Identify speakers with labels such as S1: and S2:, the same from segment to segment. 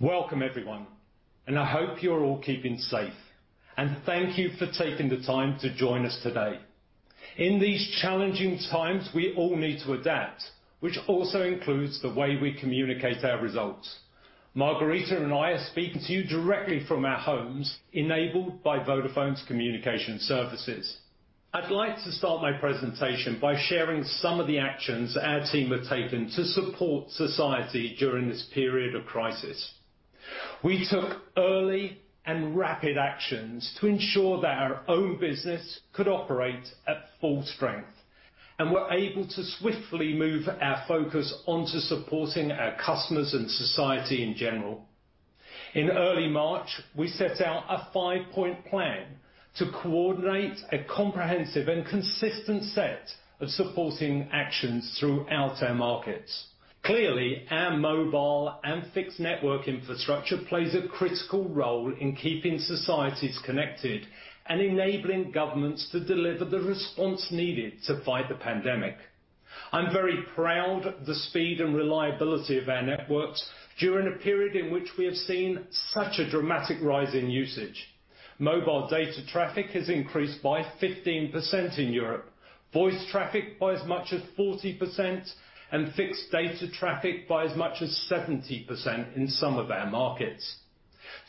S1: Welcome everyone, I hope you're all keeping safe. Thank you for taking the time to join us today. In these challenging times, we all need to adapt, which also includes the way we communicate our results. Margherita and I are speaking to you directly from our homes, enabled by Vodafone's communication services. I'd like to start my presentation by sharing some of the actions our team have taken to support society during this period of crisis. We took early and rapid actions to ensure that our own business could operate at full strength and were able to swiftly move our focus onto supporting our customers and society in general. In early March, we set out a five-point plan to coordinate a comprehensive and consistent set of supporting actions throughout our markets. Clearly, our mobile and fixed network infrastructure plays a critical role in keeping societies connected and enabling governments to deliver the response needed to fight the pandemic. I'm very proud of the speed and reliability of our networks during a period in which we have seen such a dramatic rise in usage. Mobile data traffic has increased by 15% in Europe, voice traffic by as much as 40%, and fixed data traffic by as much as 70% in some of our markets.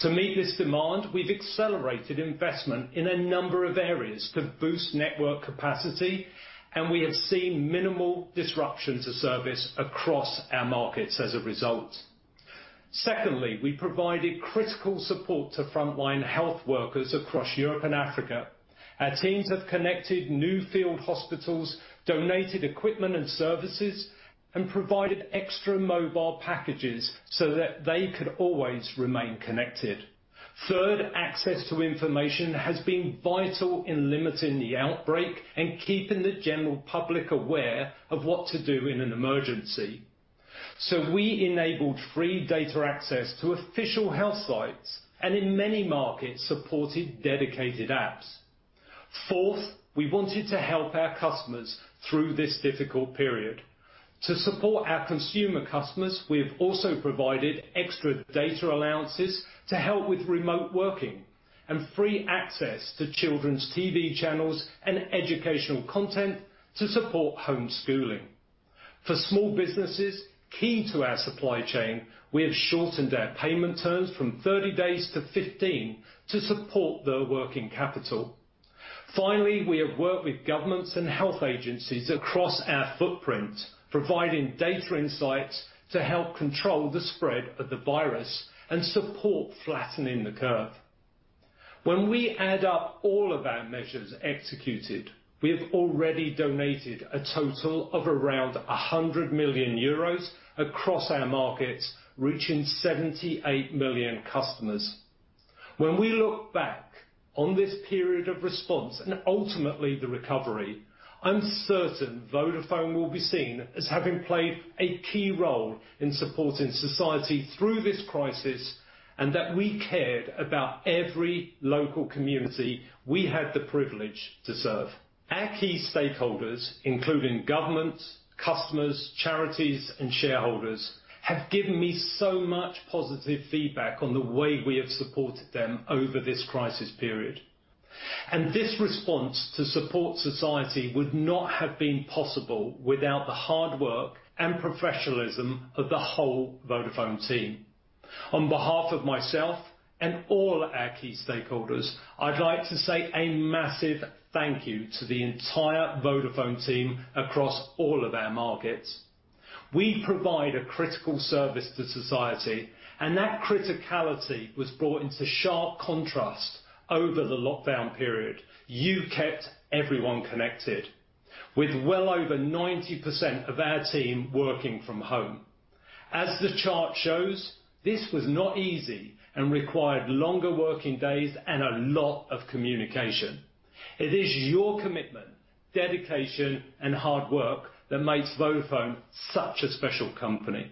S1: To meet this demand, we've accelerated investment in a number of areas to boost network capacity, and we have seen minimal disruption to service across our markets as a result. Secondly, we provided critical support to frontline health workers across Europe and Africa. Our teams have connected new field hospitals, donated equipment and services, and provided extra mobile packages so that they could always remain connected. Third, access to information has been vital in limiting the outbreak and keeping the general public aware of what to do in an emergency. We enabled free data access to official health sites, and in many markets, supported dedicated apps. Fourth, we wanted to help our customers through this difficult period. To support our consumer customers, we have also provided extra data allowances to help with remote working and free access to children's TV channels and educational content to support homeschooling. For small businesses, key to our supply chain, we have shortened our payment terms from 30 days to 15 to support their working capital. Finally, we have worked with governments and health agencies across our footprint, providing data insights to help control the spread of the virus and support flattening the curve. When we add up all of our measures executed, we have already donated a total of around 100 million euros across our markets, reaching 78 million customers. When we look back on this period of response and ultimately the recovery, I'm certain Vodafone will be seen as having played a key role in supporting society through this crisis, and that we cared about every local community we had the privilege to serve. Our key stakeholders, including governments, customers, charities, and shareholders, have given me so much positive feedback on the way we have supported them over this crisis period. This response to support society would not have been possible without the hard work and professionalism of the whole Vodafone team. On behalf of myself and all our key stakeholders, I'd like to say a massive thank you to the entire Vodafone team across all of our markets. We provide a critical service to society, and that criticality was brought into sharp contrast over the lockdown period. You kept everyone connected with well over 90% of our team working from home. As the chart shows, this was not easy and required longer working days and a lot of communication. It is your commitment, dedication, and hard work that makes Vodafone such a special company.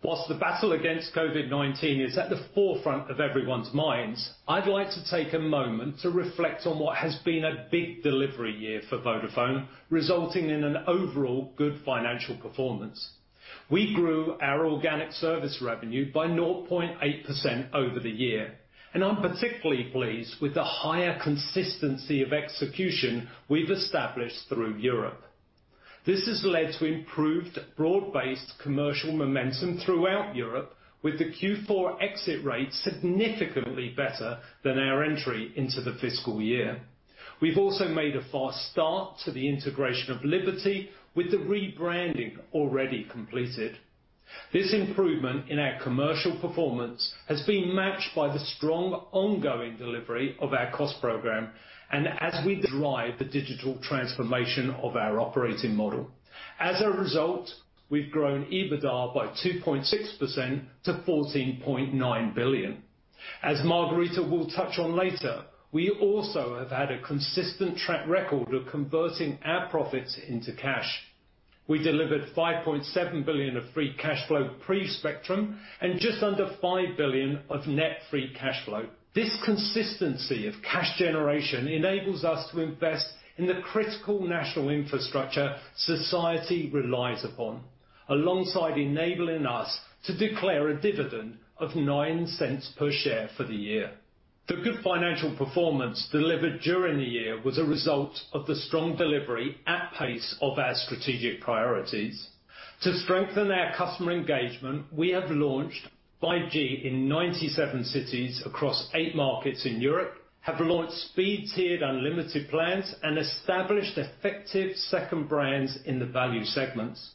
S1: Whilst the battle against COVID-19 is at the forefront of everyone's minds, I'd like to take a moment to reflect on what has been a big delivery year for Vodafone, resulting in an overall good financial performance. We grew our organic service revenue by 0.8% over the year, and I'm particularly pleased with the higher consistency of execution we've established through Europe. This has led to improved broad-based commercial momentum throughout Europe, with the Q4 exit rate significantly better than our entry into the fiscal year. We've also made a fast start to the integration of Liberty, with the rebranding already completed. This improvement in our commercial performance has been matched by the strong ongoing delivery of our cost program and as we drive the digital transformation of our operating model. As a result, we've grown EBITDA by 2.6% to 14.9 billion. As Margherita will touch on later, we also have had a consistent track record of converting our profits into cash. We delivered 5.7 billion of free cash flow pre-spectrum and just under 5 billion of net free cash flow. This consistency of cash generation enables us to invest in the critical national infrastructure society relies upon, alongside enabling us to declare a dividend of 0.09 per share for the year. The good financial performance delivered during the year was a result of the strong delivery at pace of our strategic priorities. To strengthen our customer engagement, we have launched 5G in 97 cities across eight markets in Europe, have launched speed-tiered unlimited plans, and established effective second brands in the value segments.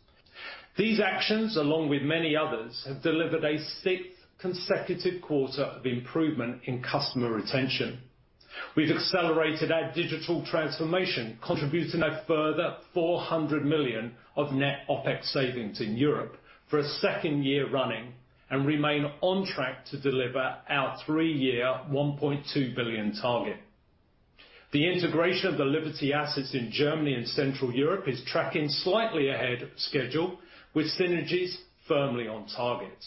S1: These actions, along with many others, have delivered a sixth consecutive quarter of improvement in customer retention. We've accelerated our digital transformation, contributing a further 400 million of net OpEx savings in Europe for a second year running, and remain on track to deliver our three-year 1.2 billion target. The integration of the Liberty assets in Germany and Central Europe is tracking slightly ahead of schedule with synergies firmly on target.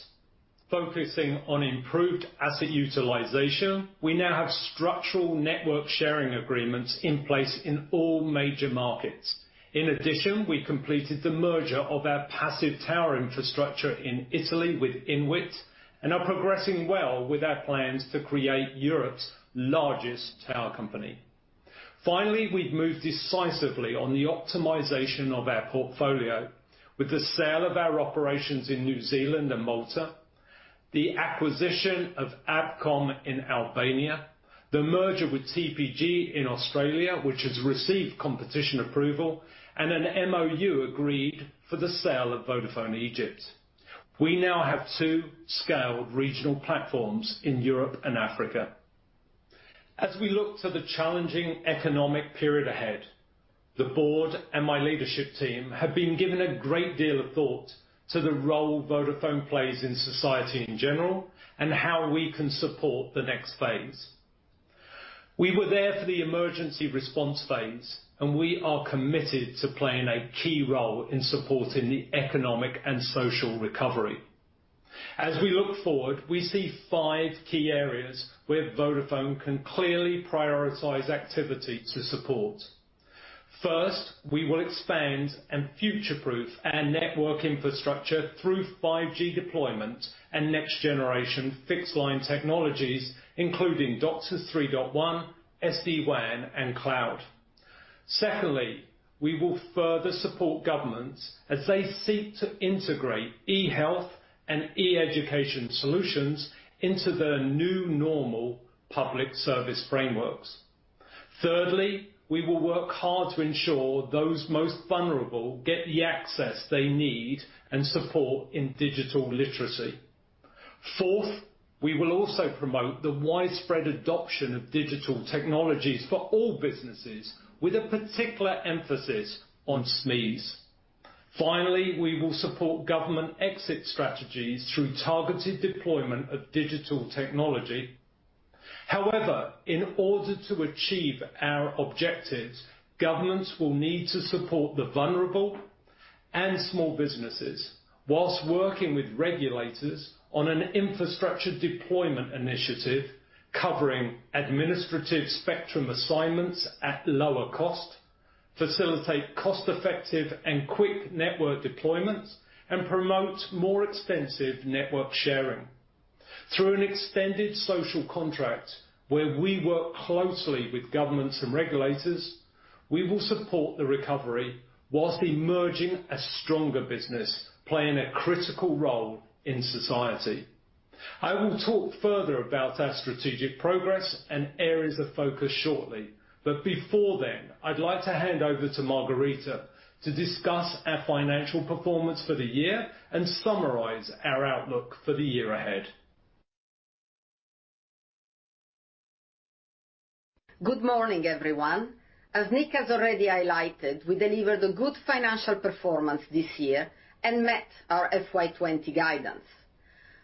S1: Focusing on improved asset utilization, we now have structural network sharing agreements in place in all major markets. We completed the merger of our passive tower infrastructure in Italy with INWIT and are progressing well with our plans to create Europe's largest tower company. We've moved decisively on the optimization of our portfolio with the sale of our operations in New Zealand and Malta, the acquisition of ABCom in Albania, the merger with TPG in Australia, which has received competition approval, and an MOU agreed for the sale of Vodafone Egypt. We now have two scaled regional platforms in Europe and Africa. As we look to the challenging economic period ahead, the board and my leadership team have been giving a great deal of thought to the role Vodafone plays in society in general and how we can support the next phase. We were there for the emergency response phase, and we are committed to playing a key role in supporting the economic and social recovery. As we look forward, we see five key areas where Vodafone can clearly prioritize activity to support. First, we will expand and future-proof our network infrastructure through 5G deployment and next-generation fixed-line technologies, including DOCSIS 3.1, SD-WAN, and cloud. Secondly, we will further support governments as they seek to integrate e-health and e-education solutions into their new normal public service frameworks. Thirdly, we will work hard to ensure those most vulnerable get the access they need and support in digital literacy. Fourth, we will also promote the widespread adoption of digital technologies for all businesses with a particular emphasis on SMEs. Finally, we will support government exit strategies through targeted deployment of digital technology. However, in order to achieve our objectives, governments will need to support the vulnerable and small businesses while working with regulators on an infrastructure deployment initiative covering administrative spectrum assignments at lower cost, facilitate cost-effective and quick network deployments, and promote more extensive network sharing. Through an extended social contract where we work closely with governments and regulators, we will support the recovery while emerging a stronger business, playing a critical role in society. I will talk further about our strategic progress and areas of focus shortly, but before then, I'd like to hand over to Margherita to discuss our financial performance for the year and summarize our outlook for the year ahead.
S2: Good morning, everyone. As Nick has already highlighted, we delivered a good financial performance this year and met our FY 2020 guidance.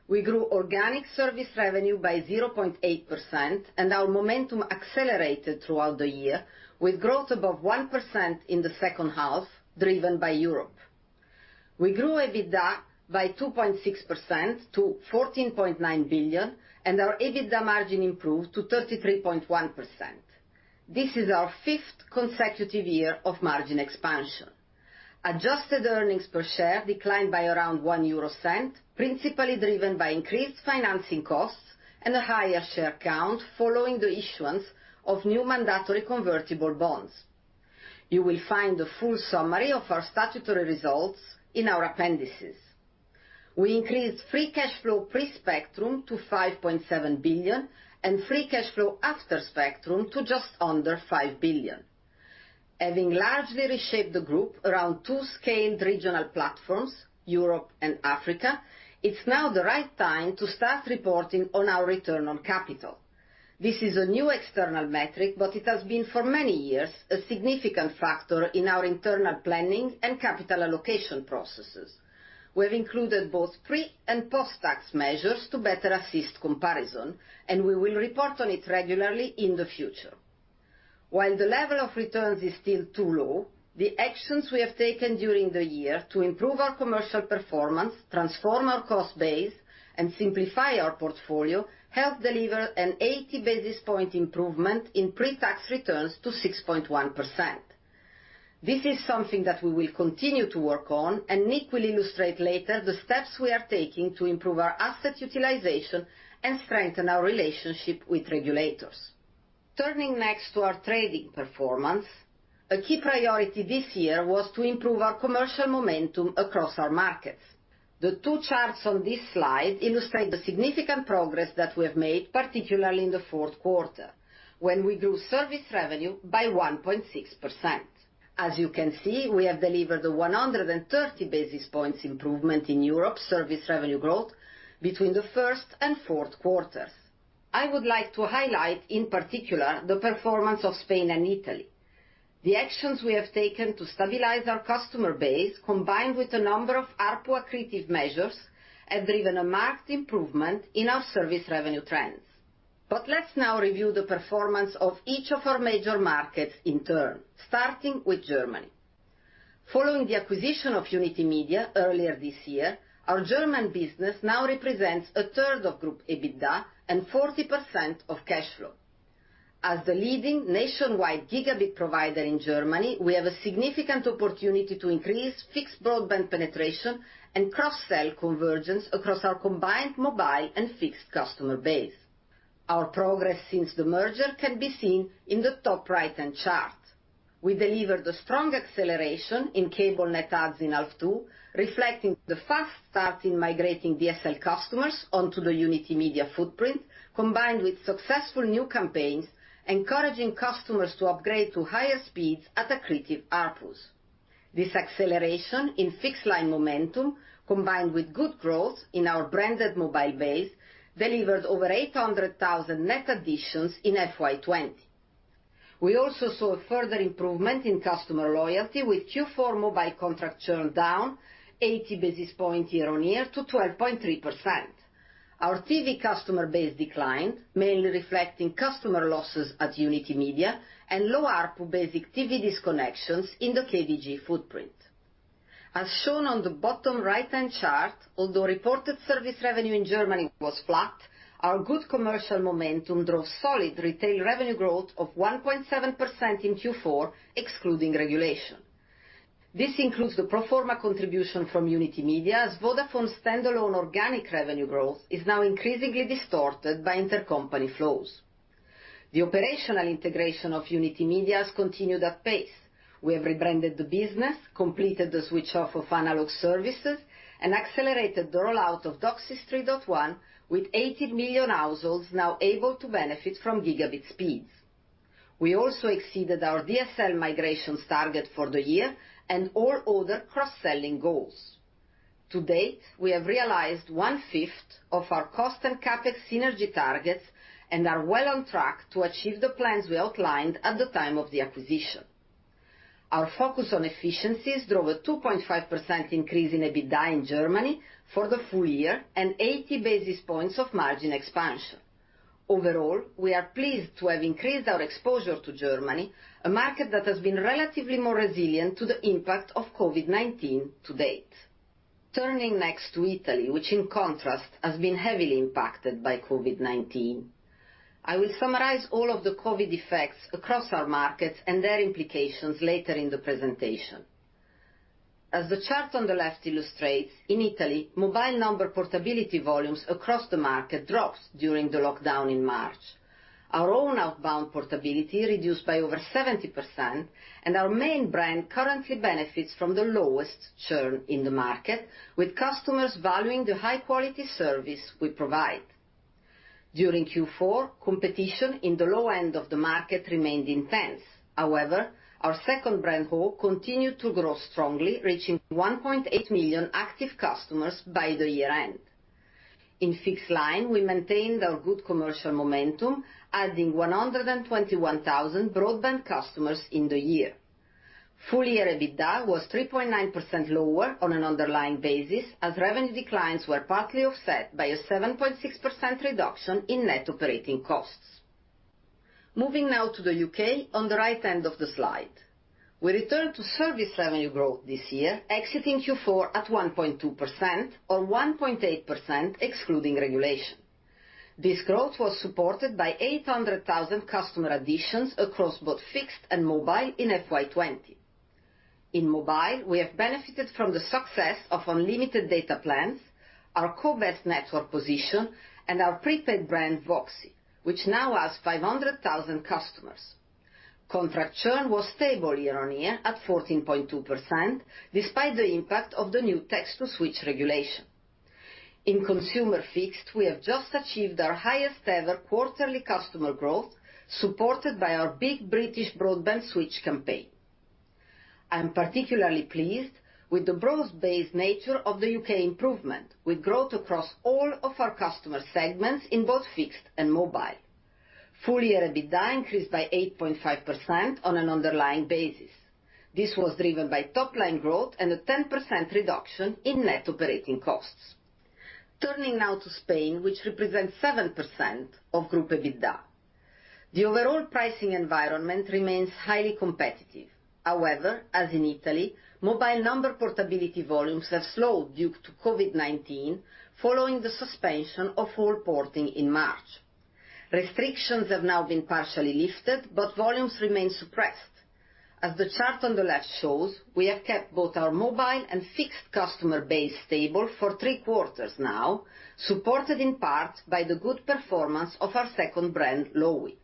S2: We grew organic service revenue by 0.8%, and our momentum accelerated throughout the year with growth above 1% in the second half, driven by Europe. We grew EBITDA by 2.6% to 14.9 billion, and our EBITDA margin improved to 33.1%. This is our fifth consecutive year of margin expansion. Adjusted earnings per share declined by around 0.01, principally driven by increased financing costs and a higher share count following the issuance of new mandatory convertible bonds. You will find the full summary of our statutory results in our appendices. We increased free cash flow pre-spectrum to 5.7 billion and free cash flow after spectrum to just under 5 billion. Having largely reshaped the group around two scaled regional platforms, Europe and Africa, it is now the right time to start reporting on our return on capital. This is a new external metric. It has been for many years a significant factor in our internal planning and capital allocation processes. We have included both pre- and post-tax measures to better assist comparison. We will report on it regularly in the future. While the level of returns is still too low, the actions we have taken during the year to improve our commercial performance, transform our cost base, and simplify our portfolio, have delivered an 80 basis point improvement in pre-tax returns to 6.1%. This is something that we will continue to work on. Nick will illustrate later the steps we are taking to improve our asset utilization and strengthen our relationship with regulators. Turning next to our trading performance. A key priority this year was to improve our commercial momentum across our markets. The two charts on this slide illustrate the significant progress that we've made, particularly in the fourth quarter, when we grew service revenue by 1.6%. As you can see, we have delivered 130 basis points improvement in Europe service revenue growth between the first and fourth quarters. I would like to highlight, in particular, the performance of Spain and Italy. The actions we have taken to stabilize our customer base, combined with a number of ARPU accretive measures, have driven a marked improvement in our service revenue trends. Let's now review the performance of each of our major markets in turn, starting with Germany. Following the acquisition of Unitymedia earlier this year, our German business now represents a third of group EBITDA and 40% of cash flow. As the leading nationwide gigabit provider in Germany, we have a significant opportunity to increase fixed broadband penetration and cross-sell convergence across our combined mobile and fixed customer base. Our progress since the merger can be seen in the top right-hand chart. We delivered a strong acceleration in cable net adds in half two, reflecting the fast start in migrating DSL customers onto the Unitymedia footprint, combined with successful new campaigns, encouraging customers to upgrade to higher speeds at accretive ARPUs. This acceleration in fixed line momentum, combined with good growth in our branded mobile base, delivered over 800,000 net additions in FY 2020. We also saw a further improvement in customer loyalty with Q4 mobile contract churn down 80 basis points year-over-year to 12.3%. Our TV customer base declined, mainly reflecting customer losses at Unitymedia and low ARPU-based TV disconnections in the KDG footprint. As shown on the bottom right-hand chart, although reported service revenue in Germany was flat, our good commercial momentum drove solid retail revenue growth of 1.7% in Q4, excluding regulation. This includes the pro forma contribution from Unitymedia, as Vodafone standalone organic revenue growth is now increasingly distorted by intercompany flows. The operational integration of Unitymedia has continued at pace. We have rebranded the business, completed the switch off of analog services, and accelerated the rollout of DOCSIS 3.1, with 18 million households now able to benefit from gigabit speeds. We also exceeded our DSL migrations target for the year and all other cross-selling goals. To date, we have realized 1/5 of our cost and CapEx synergy targets and are well on track to achieve the plans we outlined at the time of the acquisition. Our focus on efficiencies drove a 2.5% increase in EBITDA in Germany for the full year and 80 basis points of margin expansion. We are pleased to have increased our exposure to Germany, a market that has been relatively more resilient to the impact of COVID-19 to date. Turning next to Italy, which in contrast have been heavily impacted by COVID-19. I will summarize all of the COVID effects across our markets and their implications later in the presentation. As the chart on the left illustrates, in Italy, mobile number portability volumes across the market dropped during the lockdown in March. Our own outbound portability reduced by over 70%, and our main brand currently benefits from the lowest churn in the market, with customers valuing the high-quality service we provide. During Q4, competition in the low end of the market remained intense. However, our second brand, ho, continued to grow strongly, reaching 1.8 million active customers by the year-end. In fixed line, we maintained our good commercial momentum, adding 121,000 broadband customers in the year. Full-year EBITDA was 3.9% lower on an underlying basis, as revenue declines were partly offset by a 7.6% reduction in net operating costs. Moving now to the U.K. on the right end of the slide. We returned to service revenue growth this year, exiting Q4 at 1.2%, or 1.8% excluding regulation. This growth was supported by 800,000 customer additions across both fixed and mobile in FY 2020. In mobile, we have benefited from the success of unlimited data plans, our co-best network position, and our prepaid brand, VOXI, which now has 500,000 customers. Contract churn was stable year-on-year at 14.2%, despite the impact of the new text-to-switch regulation. In consumer fixed, we have just achieved our highest-ever quarterly customer growth, supported by our Big British Broadband Switch campaign. I'm particularly pleased with the broad-based nature of the U.K. improvement, with growth across all of our customer segments in both fixed and mobile. Full-year EBITDA increased by 8.5% on an underlying basis. This was driven by top-line growth and a 10% reduction in net operating costs. Turning now to Spain, which represents 7% of group EBITDA. The overall pricing environment remains highly competitive. However, as in Italy, mobile number portability volumes have slowed due to COVID-19 following the suspension of full porting in March. Restrictions have now been partially lifted, but volumes remain suppressed. As the chart on the left shows, we have kept both our mobile and fixed customer base stable for three quarters now, supported in part by the good performance of our second brand, Lowi.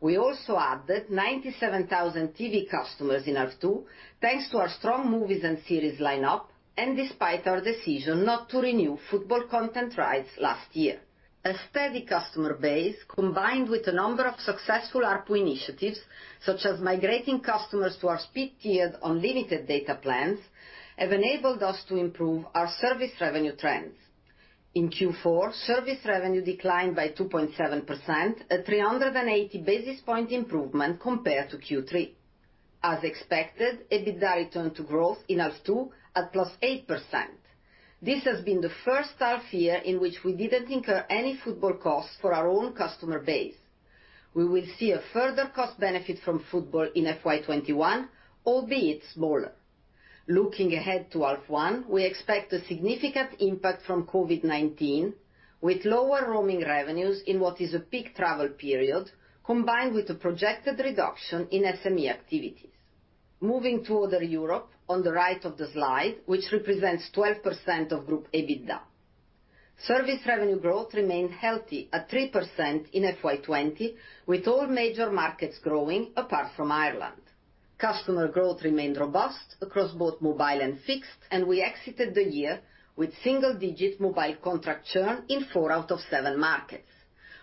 S2: We also added 97,000 TV customers in half two, thanks to our strong movies and series lineup, and despite our decision not to renew football content rights last year. A steady customer base, combined with a number of successful ARPU initiatives, such as migrating customers to our speed tiered unlimited data plans, have enabled us to improve our service revenue trends. In Q4, service revenue declined by 2.7%, a 380 basis point improvement compared to Q3. As expected, EBITDA returned to growth in half two at +8%. This has been the first half year in which we didn't incur any football costs for our own customer base. We will see a further cost benefit from football in FY 2021, albeit smaller. Looking ahead to half one, we expect a significant impact from COVID-19, with lower roaming revenues in what is a peak travel period, combined with a projected reduction in SME activities. Moving to other Europe, on the right of the slide, which represents 12% of group EBITDA. Service revenue growth remained healthy at 3% in FY 2020, with all major markets growing apart from Ireland. We exited the year with single-digit mobile contract churn in four out of seven markets.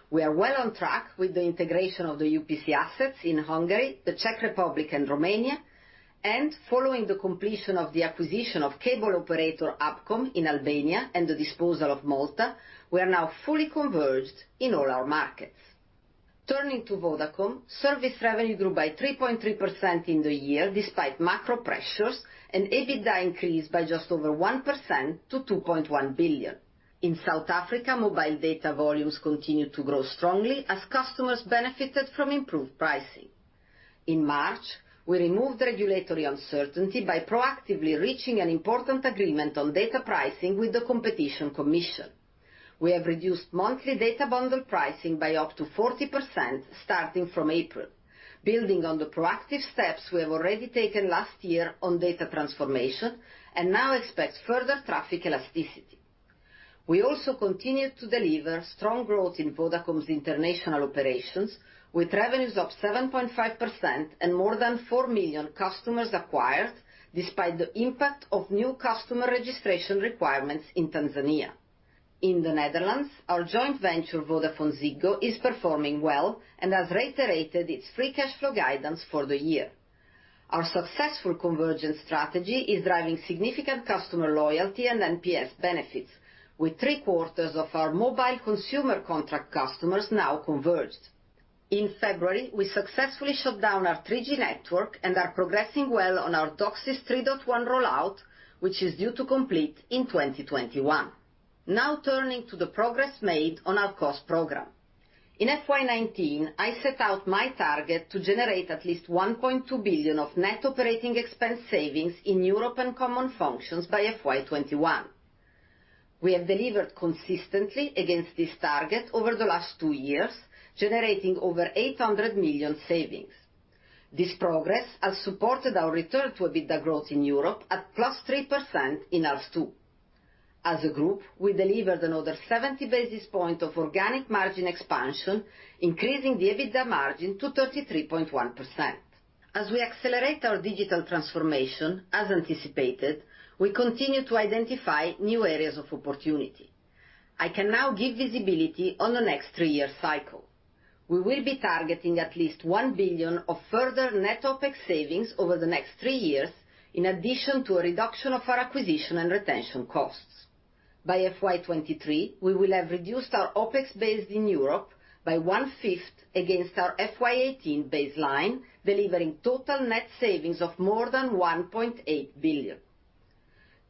S2: We are well on track with the integration of the UPC assets in Hungary, the Czech Republic, and Romania. Following the completion of the acquisition of cable operator, ABCom, in Albania and the disposal of Malta, we are now fully converged in all our markets. Turning to Vodacom, service revenue grew by 3.3% in the year despite macro pressures and EBITDA increased by just over 1% to 2.1 billion. In South Africa, mobile data volumes continued to grow strongly as customers benefited from improved pricing. In March, we removed regulatory uncertainty by proactively reaching an important agreement on data pricing with the Competition Commission. We have reduced monthly data bundle pricing by up to 40% starting from April. Building on the proactive steps we have already taken last year on data transformation, now expect further traffic elasticity. We also continued to deliver strong growth in Vodacom's international operations, with revenues up 7.5% and more than 4 million customers acquired despite the impact of new customer registration requirements in Tanzania. In the Netherlands, our joint venture, VodafoneZiggo, is performing well and has reiterated its free cash flow guidance for the year. Our successful convergence strategy is driving significant customer loyalty and NPS benefits, with 3/4 of our mobile consumer contract customers now converged. In February, we successfully shut down our 3G network and are progressing well on our DOCSIS 3.1 rollout, which is due to complete in 2021. Turning to the progress made on our cost program. In FY 2019, I set out my target to generate at least 1.2 billion of net operating expense savings in Europe and common functions by FY 2021. We have delivered consistently against this target over the last two years, generating over 800 million savings. This progress has supported our return to EBITDA growth in Europe at +3% in half two. As a group, we delivered another 70 basis point of organic margin expansion, increasing the EBITDA margin to 33.1%. As we accelerate our digital transformation, as anticipated, we continue to identify new areas of opportunity. I can now give visibility on the next three-year cycle. We will be targeting at least 1 billion of further net OpEx savings over the next three years, in addition to a reduction of our acquisition and retention costs. By FY 2023, we will have reduced our OpEx base in Europe by 1/5 against our FY 2018 baseline, delivering total net savings of more than 1.8 billion.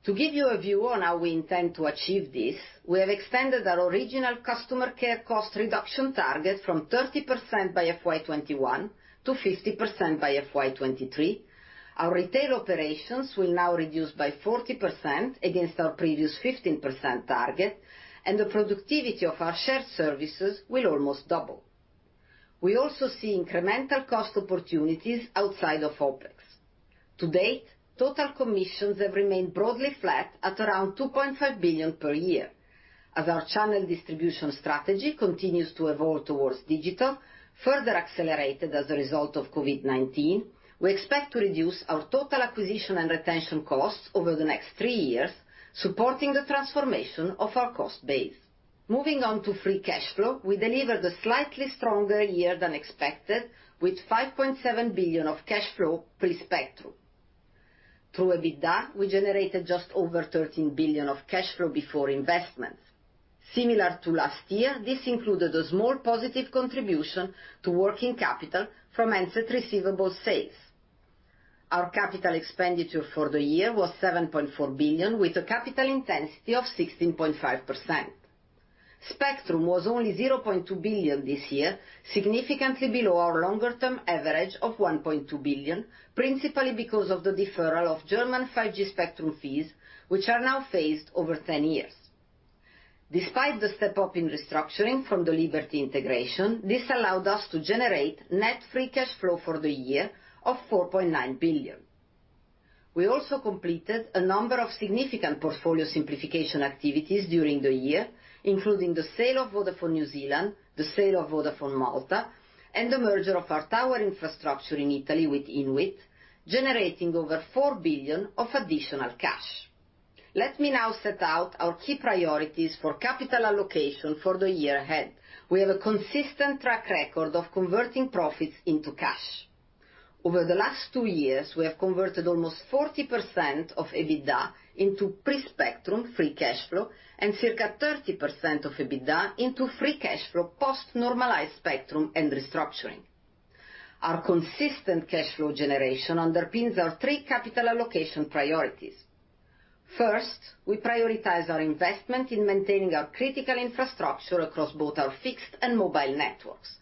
S2: To give you a view on how we intend to achieve this, we have extended our original customer care cost reduction target from 30% by FY 2021 to 50% by FY 2023. Our retail operations will now reduce by 40% against our previous 15% target, and the productivity of our shared services will almost double. We also see incremental cost opportunities outside of OpEx. To date, total commissions have remained broadly flat at around 2.5 billion per year. As our channel distribution strategy continues to evolve towards digital, further accelerated as a result of COVID-19, we expect to reduce our total acquisition and retention costs over the next three years, supporting the transformation of our cost base. Moving on to free cash flow, we delivered a slightly stronger year than expected with 5.7 billion of cash flow pre-spectrum. Through EBITDA, we generated just over 13 billion of cash flow before investments. Similar to last year, this included a small positive contribution to working capital from handset receivable sales. Our capital expenditure for the year was 7.4 billion, with a capital intensity of 16.5%. Spectrum was only 0.2 billion this year, significantly below our longer-term average of 1.2 billion, principally because of the deferral of German 5G spectrum fees, which are now phased over 10 years. Despite the step-up in restructuring from the Liberty integration, this allowed us to generate net free cash flow for the year of 4.9 billion. We also completed a number of significant portfolio simplification activities during the year, including the sale of Vodafone New Zealand, the sale of Vodafone Malta, and the merger of our tower infrastructure in Italy with INWIT, generating over 4 billion of additional cash. Let me now set out our key priorities for capital allocation for the year ahead. We have a consistent track record of converting profits into cash. Over the last two years, we have converted almost 40% of EBITDA into pre-spectrum free cash flow and circa 30% of EBITDA into free cash flow post-normalized spectrum and restructuring. Our consistent cash flow generation underpins our three capital allocation priorities. First, we prioritize our investment in maintaining our critical infrastructure across both our fixed and mobile networks.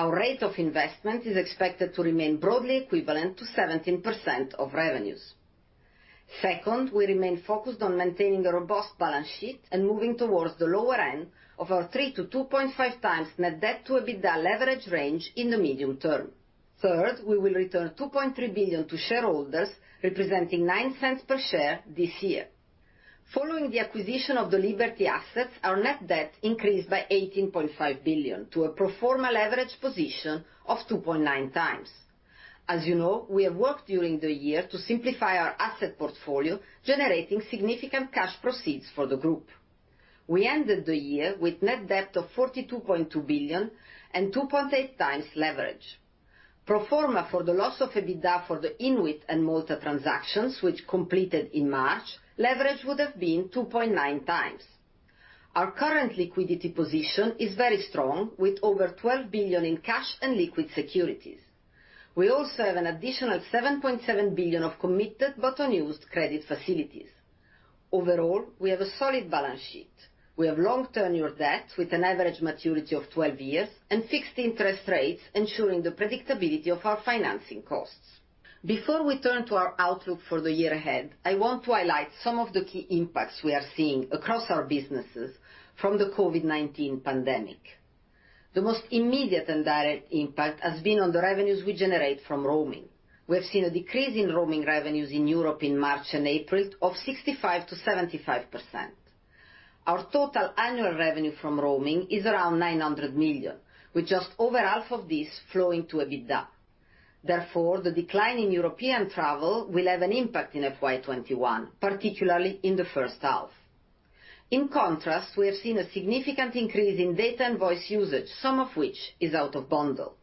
S2: Our rate of investment is expected to remain broadly equivalent to 17% of revenues. Second, we remain focused on maintaining a robust balance sheet and moving towards the lower end of our 3x-2.5x net debt to EBITDA leverage range in the medium term. Third, we will return 2.3 billion to shareholders, representing 0.09 per share this year. Following the acquisition of the Liberty assets, our net debt increased by 18.5 billion to a pro forma leverage position of 2.9x. As you know, we have worked during the year to simplify our asset portfolio, generating significant cash proceeds for the group. We ended the year with net debt of 42.2 billion and 2.8x leverage. Pro forma for the loss of EBITDA for the INWIT and Malta transactions, which completed in March, leverage would have been 2.9x. Our current liquidity position is very strong, with over 12 billion in cash and liquid securities. We also have an additional 7.7 billion of committed but unused credit facilities. Overall, we have a solid balance sheet. We have long tenure debt with an average maturity of 12 years and fixed interest rates, ensuring the predictability of our financing costs. Before we turn to our outlook for the year ahead, I want to highlight some of the key impacts we are seeing across our businesses from the COVID-19 pandemic. The most immediate and direct impact has been on the revenues we generate from roaming. We have seen a decrease in roaming revenues in Europe in March and April of 65%-75%. Our total annual revenue from roaming is around 900 million, with just over half of this flowing to EBITDA. Therefore, the decline in European travel will have an impact in FY 2021, particularly in the first half. In contrast, we have seen a significant increase in data and voice usage, some of which is out of bundle.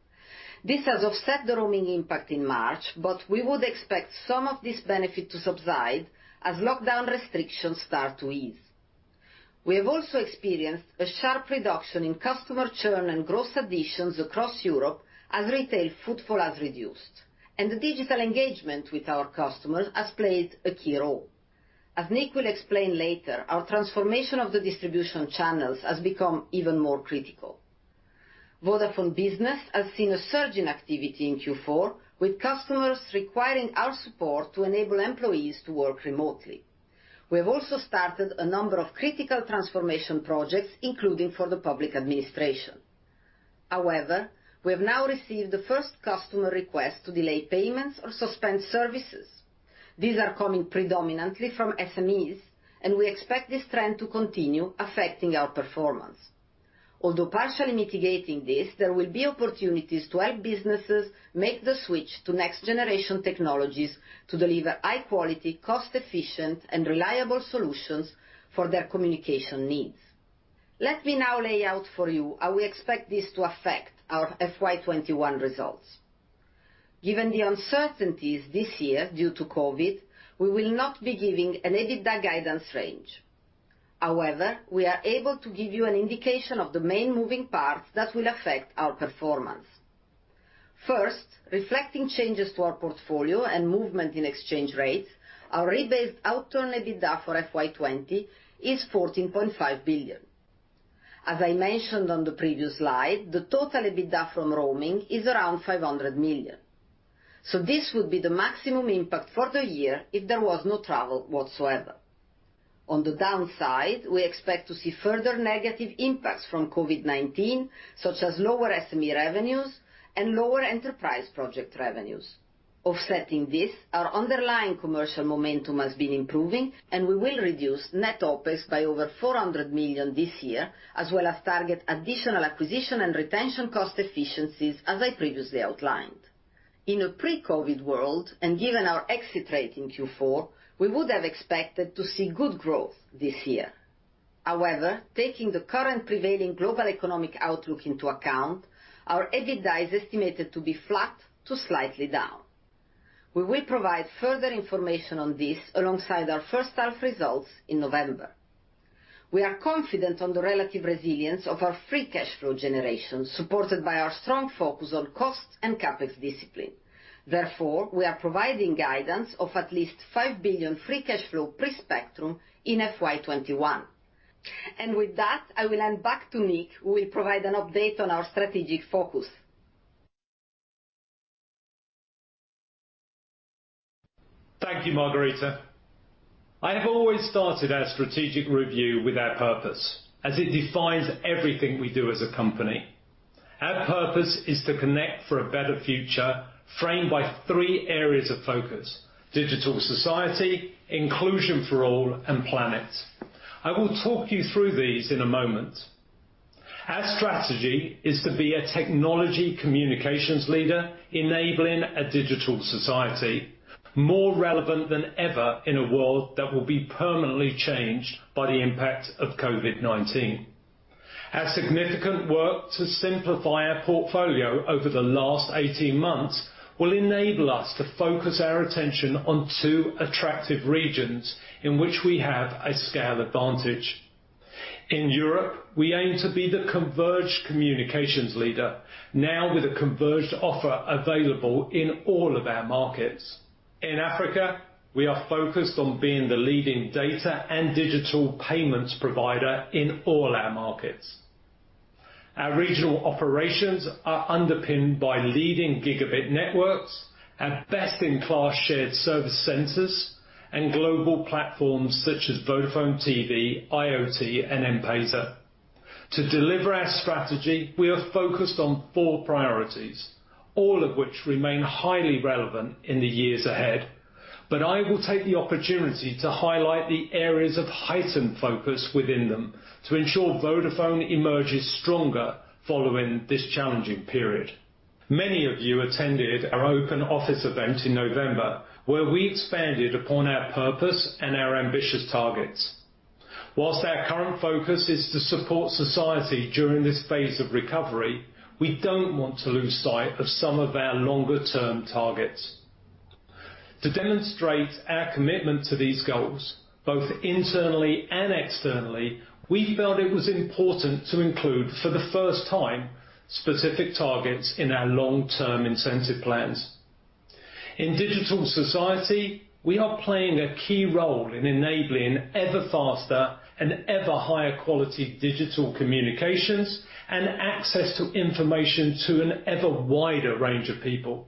S2: This has offset the roaming impact in March, but we would expect some of this benefit to subside as lockdown restrictions start to ease. We have also experienced a sharp reduction in customer churn and gross additions across Europe as retail footfall has reduced, and the digital engagement with our customers has played a key role. As Nick will explain later, our transformation of the distribution channels has become even more critical. Vodafone Business has seen a surge in activity in Q4, with customers requiring our support to enable employees to work remotely. We have also started a number of critical transformation projects, including for the public administration. However, we have now received the first customer request to delay payments or suspend services. These are coming predominantly from SMEs, and we expect this trend to continue affecting our performance. Although partially mitigating this, there will be opportunities to help businesses make the switch to next-generation technologies to deliver high-quality, cost-efficient, and reliable solutions for their communication needs. Let me now lay out for you how we expect this to affect our FY 2021 results. Given the uncertainties this year due to COVID, we will not be giving an EBITDA guidance range. However, we are able to give you an indication of the main moving parts that will affect our performance. First, reflecting changes to our portfolio and movement in exchange rates, our rebased outturn EBITDA for FY 2020 is 14.5 billion. As I mentioned on the previous slide, the total EBITDA from roaming is around 500 million. So this would be the maximum impact for the year if there was no travel whatsoever. On the downside, we expect to see further negative impacts from COVID-19, such as lower SME revenues and lower enterprise project revenues. Offsetting this, our underlying commercial momentum has been improving, and we will reduce net OpEx by over 400 million this year, as well as target additional acquisition and retention cost efficiencies, as I previously outlined. In a pre-COVID world, and given our exit rate in Q4, we would have expected to see good growth this year. However, taking the current prevailing global economic outlook into account, our EBITDA is estimated to be flat to slightly down. We will provide further information on this alongside our first half results in November. We are confident on the relative resilience of our free cash flow generation, supported by our strong focus on cost and CapEx discipline. Therefore, we are providing guidance of at least 5 billion free cash flow pre-spectrum in FY 2021. With that, I will hand back to Nick, who will provide an update on our strategic focus.
S1: Thank you, Margherita. I have always started our strategic review with our purpose, as it defines everything we do as a company. Our purpose is to connect for a better future, framed by three areas of focus, digital society, inclusion for all, and planet. I will talk you through these in a moment. Our strategy is to be a technology communications leader enabling a digital society, more relevant than ever in a world that will be permanently changed by the impact of COVID-19. Our significant work to simplify our portfolio over the last 18 months will enable us to focus our attention on two attractive regions in which we have a scale advantage. In Europe, we aim to be the converged communications leader, now with a converged offer available in all of our markets. In Africa, we are focused on being the leading data and digital payments provider in all our markets. Our regional operations are underpinned by leading gigabit networks, our best-in-class shared service centers, and global platforms such as Vodafone TV, IoT, and M-Pesa. To deliver our strategy, we are focused on four priorities, all of which remain highly relevant in the years ahead. I will take the opportunity to highlight the areas of heightened focus within them to ensure Vodafone emerges stronger following this challenging period. Many of you attended our open office event in November, where we expanded upon our purpose and our ambitious targets. Whilst our current focus is to support society during this phase of recovery, we don't want to lose sight of some of our longer-term targets. To demonstrate our commitment to these goals, both internally and externally, we felt it was important to include, for the first time, specific targets in our long-term incentive plans. In digital society, we are playing a key role in enabling ever-faster and ever-higher quality digital communications and access to information to an ever-wider range of people.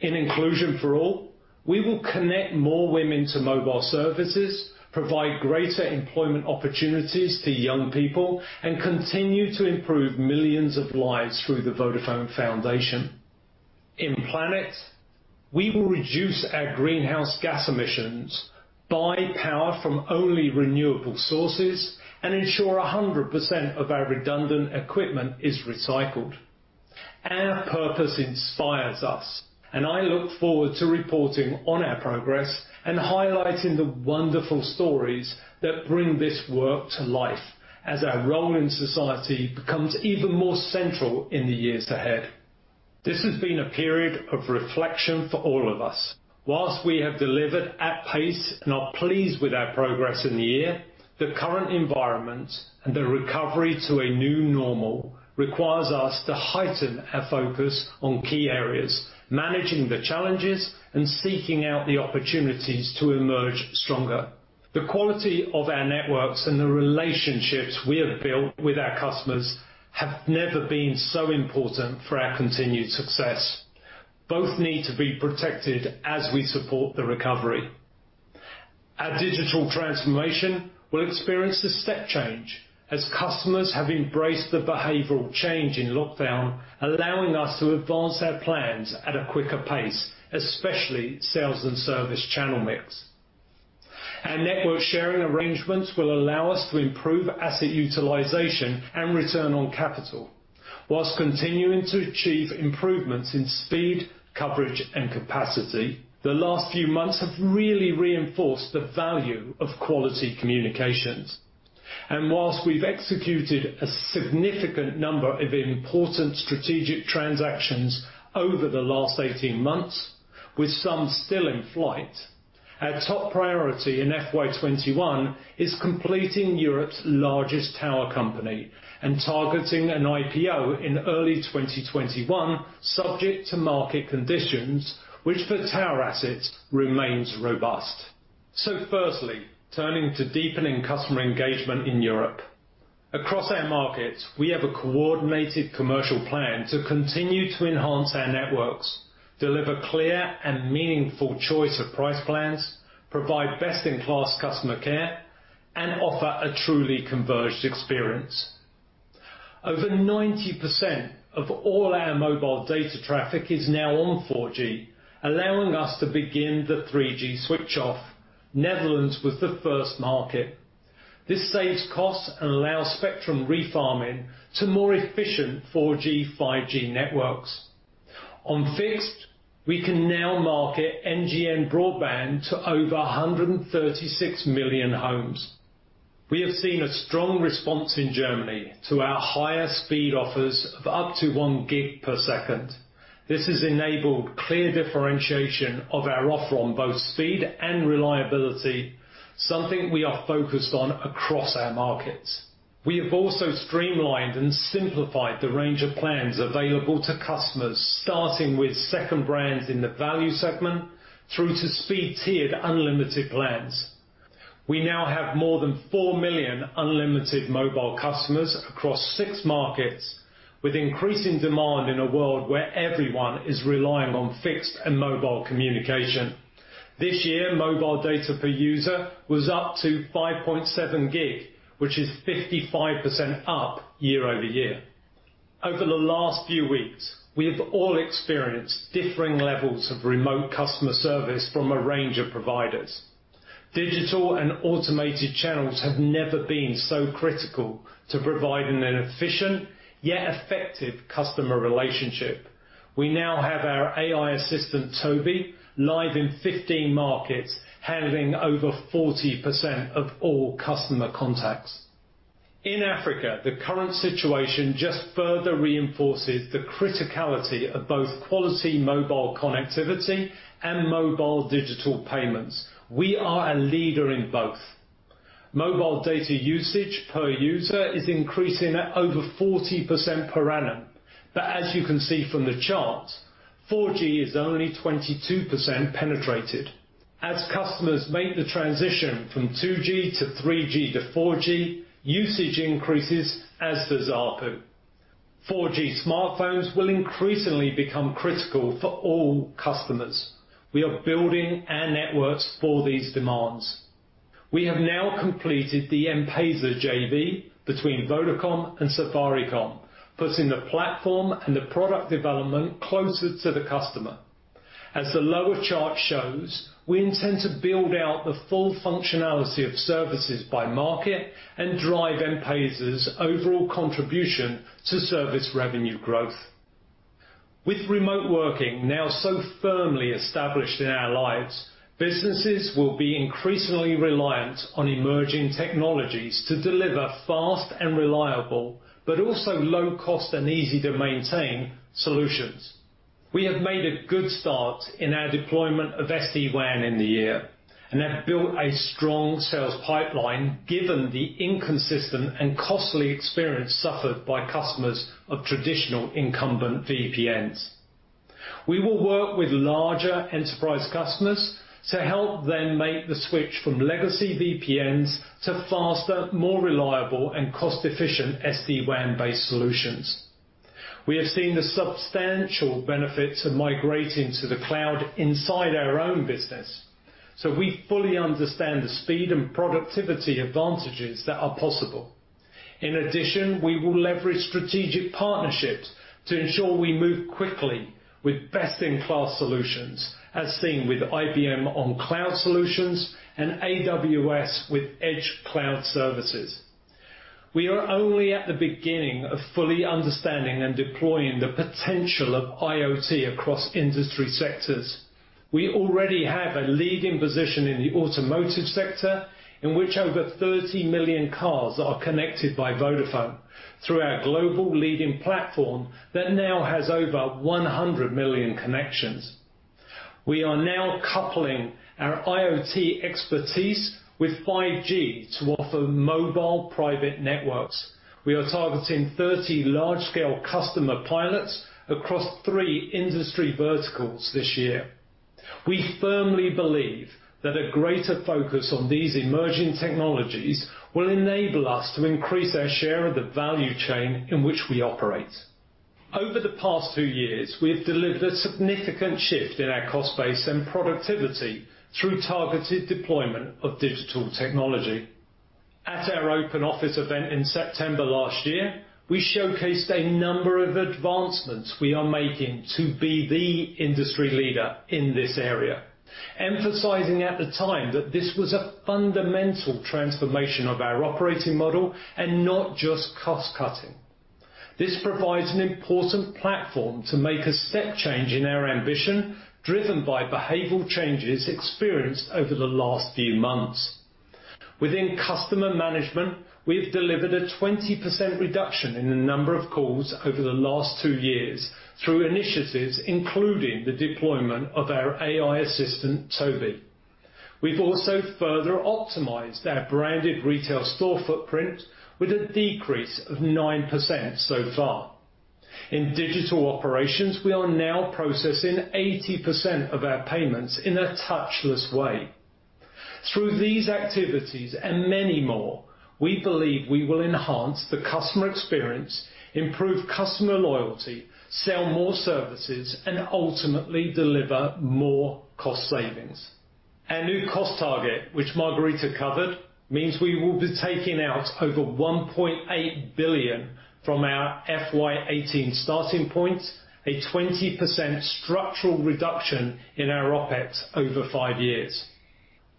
S1: In inclusion for all, we will connect more women to mobile services, provide greater employment opportunities to young people, and continue to improve millions of lives through the Vodafone Foundation. In planet, we will reduce our greenhouse gas emissions, buy power from only renewable sources, and ensure 100% of our redundant equipment is recycled. Our purpose inspires us, and I look forward to reporting on our progress and highlighting the wonderful stories that bring this work to life as our role in society becomes even more central in the years ahead. This has been a period of reflection for all of us. Whilst we have delivered at pace and are pleased with our progress in the year, the current environment and the recovery to a new normal requires us to heighten our focus on key areas, managing the challenges and seeking out the opportunities to emerge stronger. The quality of our networks and the relationships we have built with our customers have never been so important for our continued success. Both need to be protected as we support the recovery. Our digital transformation will experience a step change as customers have embraced the behavioral change in lockdown, allowing us to advance our plans at a quicker pace, especially sales and service channel mix. Our network sharing arrangements will allow us to improve asset utilization and return on capital whilst continuing to achieve improvements in speed, coverage, and capacity. The last few months have really reinforced the value of quality communications. Whilst we've executed a significant number of important strategic transactions over the last 18 months, with some still in flight, our top priority in FY 2021 is completing Europe's largest tower company and targeting an IPO in early 2021, subject to market conditions, which for tower assets remains robust. Firstly, turning to deepening customer engagement in Europe. Across our markets, we have a coordinated commercial plan to continue to enhance our networks, deliver clear and meaningful choice of price plans, provide best-in-class customer care, and offer a truly converged experience. Over 90% of all our mobile data traffic is now on 4G, allowing us to begin the 3G switch off. Netherlands was the first market. This saves costs and allows spectrum refarming to more efficient 4G, 5G networks. On fixed, we can now market NGN broadband to over 136 million homes. We have seen a strong response in Germany to our higher speed offers of up to 1 Gbps. This has enabled clear differentiation of our offer on both speed and reliability, something we are focused on across our markets. We have also streamlined and simplified the range of plans available to customers, starting with second brands in the value segment through to speed-tiered unlimited plans. We now have more than 4 million unlimited mobile customers across six markets, with increasing demand in a world where everyone is relying on fixed and mobile communication. This year, mobile data per user was up to 5.7 GB, which is 55% up year-over-year. Over the last few weeks, we have all experienced differing levels of remote customer service from a range of providers. Digital and automated channels have never been so critical to providing an efficient, yet effective customer relationship. We now have our AI assistant, TOBi, live in 15 markets, handling over 40% of all customer contacts. In Africa, the current situation just further reinforces the criticality of both quality mobile connectivity and mobile digital payments. We are a leader in both. Mobile data usage per user is increasing at over 40% per annum. But as you can see from the chart, 4G is only 22% penetrated. As customers make the transition from 2G to 3G to 4G, usage increases, as does ARPU. 4G smartphones will increasingly become critical for all customers. We are building our networks for these demands. We have now completed the M-PESA JV between Vodacom and Safaricom, putting the platform and the product development closer to the customer. As the lower chart shows, we intend to build out the full functionality of services by market and drive M-PESA's overall contribution to service revenue growth. With remote working now so firmly established in our lives, businesses will be increasingly reliant on emerging technologies to deliver fast and reliable, but also low cost and easy to maintain solutions. We have made a good start in our deployment of SD-WAN in the year and have built a strong sales pipeline, given the inconsistent and costly experience suffered by customers of traditional incumbent VPNs. We will work with larger enterprise customers to help them make the switch from legacy VPNs to faster, more reliable, and cost-efficient SD-WAN based solutions. We have seen the substantial benefits of migrating to the cloud inside our own business, so we fully understand the speed and productivity advantages that are possible. In addition, we will leverage strategic partnerships to ensure we move quickly with best-in-class solutions, as seen with IBM on cloud solutions and AWS with Edge cloud services. We are only at the beginning of fully understanding and deploying the potential of IoT across industry sectors. We already have a leading position in the automotive sector, in which over 30 million cars are connected by Vodafone through our global leading platform that now has over 100 million connections. We are now coupling our IoT expertise with 5G to offer mobile private networks. We are targeting 30 large-scale customer pilots across three industry verticals this year. We firmly believe that a greater focus on these emerging technologies will enable us to increase our share of the value chain in which we operate. Over the past two years, we have delivered a significant shift in our cost base and productivity through targeted deployment of digital technology. At our open office event in September last year, we showcased a number of advancements we are making to be the industry leader in this area, emphasizing at the time that this was a fundamental transformation of our operating model and not just cost cutting. This provides an important platform to make a step change in our ambition, driven by behavioral changes experienced over the last few months. Within customer management, we've delivered a 20% reduction in the number of calls over the last two years through initiatives, including the deployment of our AI assistant, TOBi. We've also further optimized our branded retail store footprint with a decrease of 9% so far. In digital operations, we are now processing 80% of our payments in a touchless way. Through these activities and many more, we believe we will enhance the customer experience, improve customer loyalty, sell more services, and ultimately deliver more cost savings. Our new cost target, which Margherita covered, means we will be taking out over 1.8 billion from our FY 2018 starting point, a 20% structural reduction in our OpEx over five years.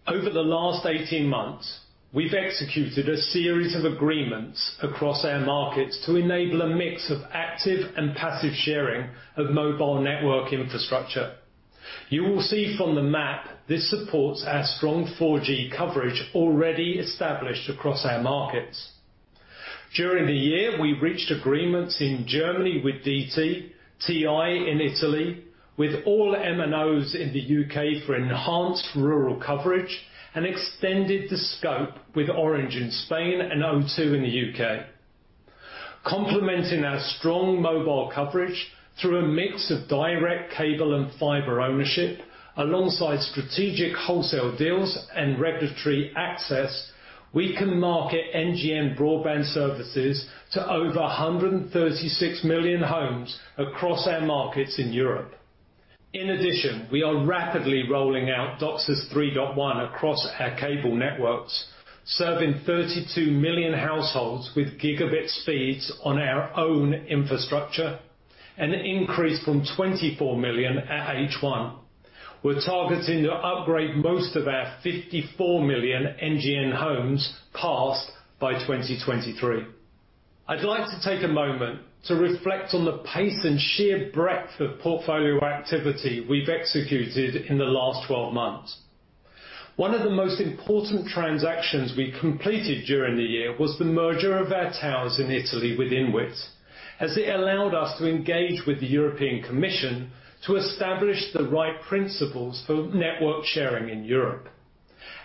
S1: Over the last 18 months, we've executed a series of agreements across our markets to enable a mix of active and passive sharing of mobile network infrastructure. You will see from the map, this supports our strong 4G coverage already established across our markets. During the year, we reached agreements in Germany with DT, TIM in Italy, with all MNOs in the U.K. for enhanced rural coverage, and extended the scope with Orange in Spain and O2 in the U.K. Complementing our strong mobile coverage through a mix of direct cable and fiber ownership alongside strategic wholesale deals and regulatory access, we can market NGN broadband services to over 136 million homes across our markets in Europe. In addition, we are rapidly rolling out DOCSIS 3.1 across our cable networks, serving 32 million households with gigabit speeds on our own infrastructure, an increase from 24 million at H1. We're targeting to upgrade most of our 54 million NGN homes passed by 2023. I'd like to take a moment to reflect on the pace and sheer breadth of portfolio activity we've executed in the last 12 months. One of the most important transactions we completed during the year was the merger of our towers in Italy with INWIT, as it allowed us to engage with the European Commission to establish the right principles for network sharing in Europe.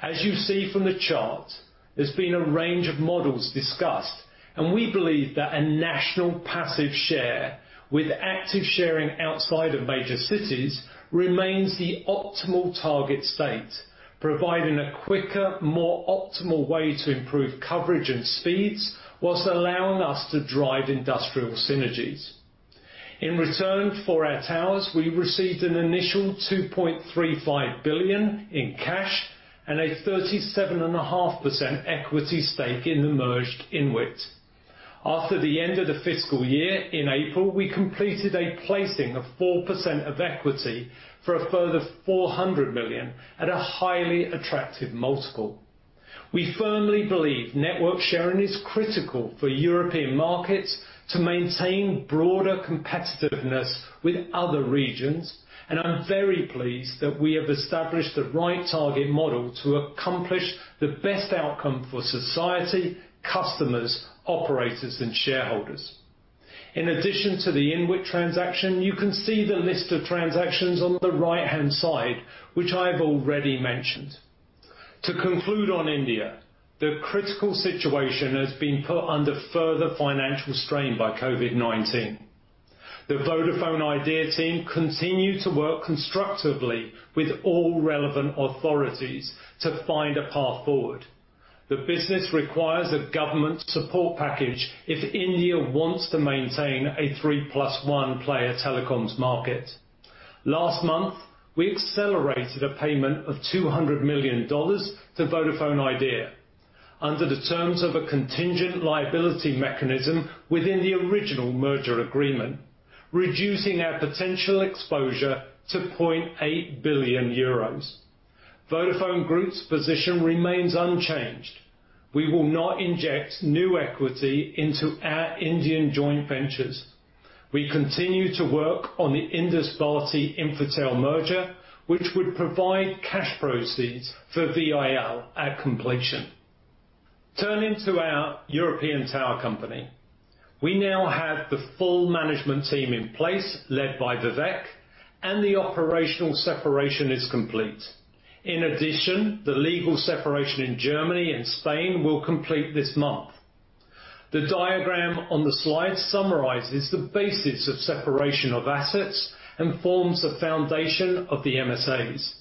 S1: As you see from the chart, there's been a range of models discussed, and we believe that a national passive share with active sharing outside of major cities remains the optimal target state, providing a quicker, more optimal way to improve coverage and speeds whilst allowing us to drive industrial synergies. In return for our towers, we received an initial 2.35 billion in cash and a 37.5% equity stake in the merged INWIT. After the end of the fiscal year in April, we completed a placing of 4% of equity for a further 400 million at a highly attractive multiple. We firmly believe network sharing is critical for European markets to maintain broader competitiveness with other regions. I'm very pleased that we have established the right target model to accomplish the best outcome for society, customers, operators, and shareholders. In addition to the INWIT transaction, you can see the list of transactions on the right-hand side, which I've already mentioned. To conclude on India, the critical situation has been put under further financial strain by COVID-19. The Vodafone Idea team continue to work constructively with all relevant authorities to find a path forward. The business requires a government support package if India wants to maintain a three-plus-one player telecoms market. Last month, we accelerated a payment of $200 million to Vodafone Idea under the terms of a contingent liability mechanism within the original merger agreement, reducing our potential exposure to 2.8 billion euros. Vodafone Group's position remains unchanged. We will not inject new equity into our Indian joint ventures. We continue to work on the Indus Bharti Infratel merger, which would provide cash proceeds for VIL at completion. Turning to our European tower company. We now have the full management team in place led by Vivek, and the operational separation is complete. The legal separation in Germany and Spain will complete this month. The diagram on the slide summarizes the basis of separation of assets and forms the foundation of the MSAs.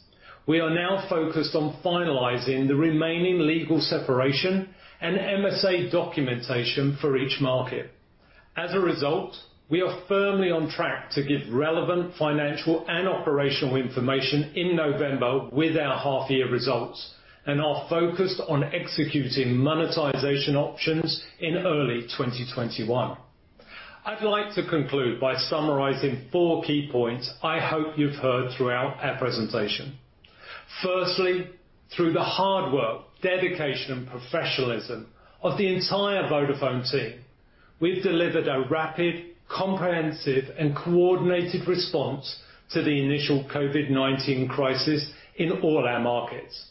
S1: We are now focused on finalizing the remaining legal separation and MSA documentation for each market. We are firmly on track to give relevant financial and operational information in November with our half-year results and are focused on executing monetization options in early 2021. I'd like to conclude by summarizing four key points I hope you've heard throughout our presentation. Firstly, through the hard work, dedication, and professionalism of the entire Vodafone team, we've delivered a rapid, comprehensive, and coordinated response to the initial COVID-19 crisis in all our markets.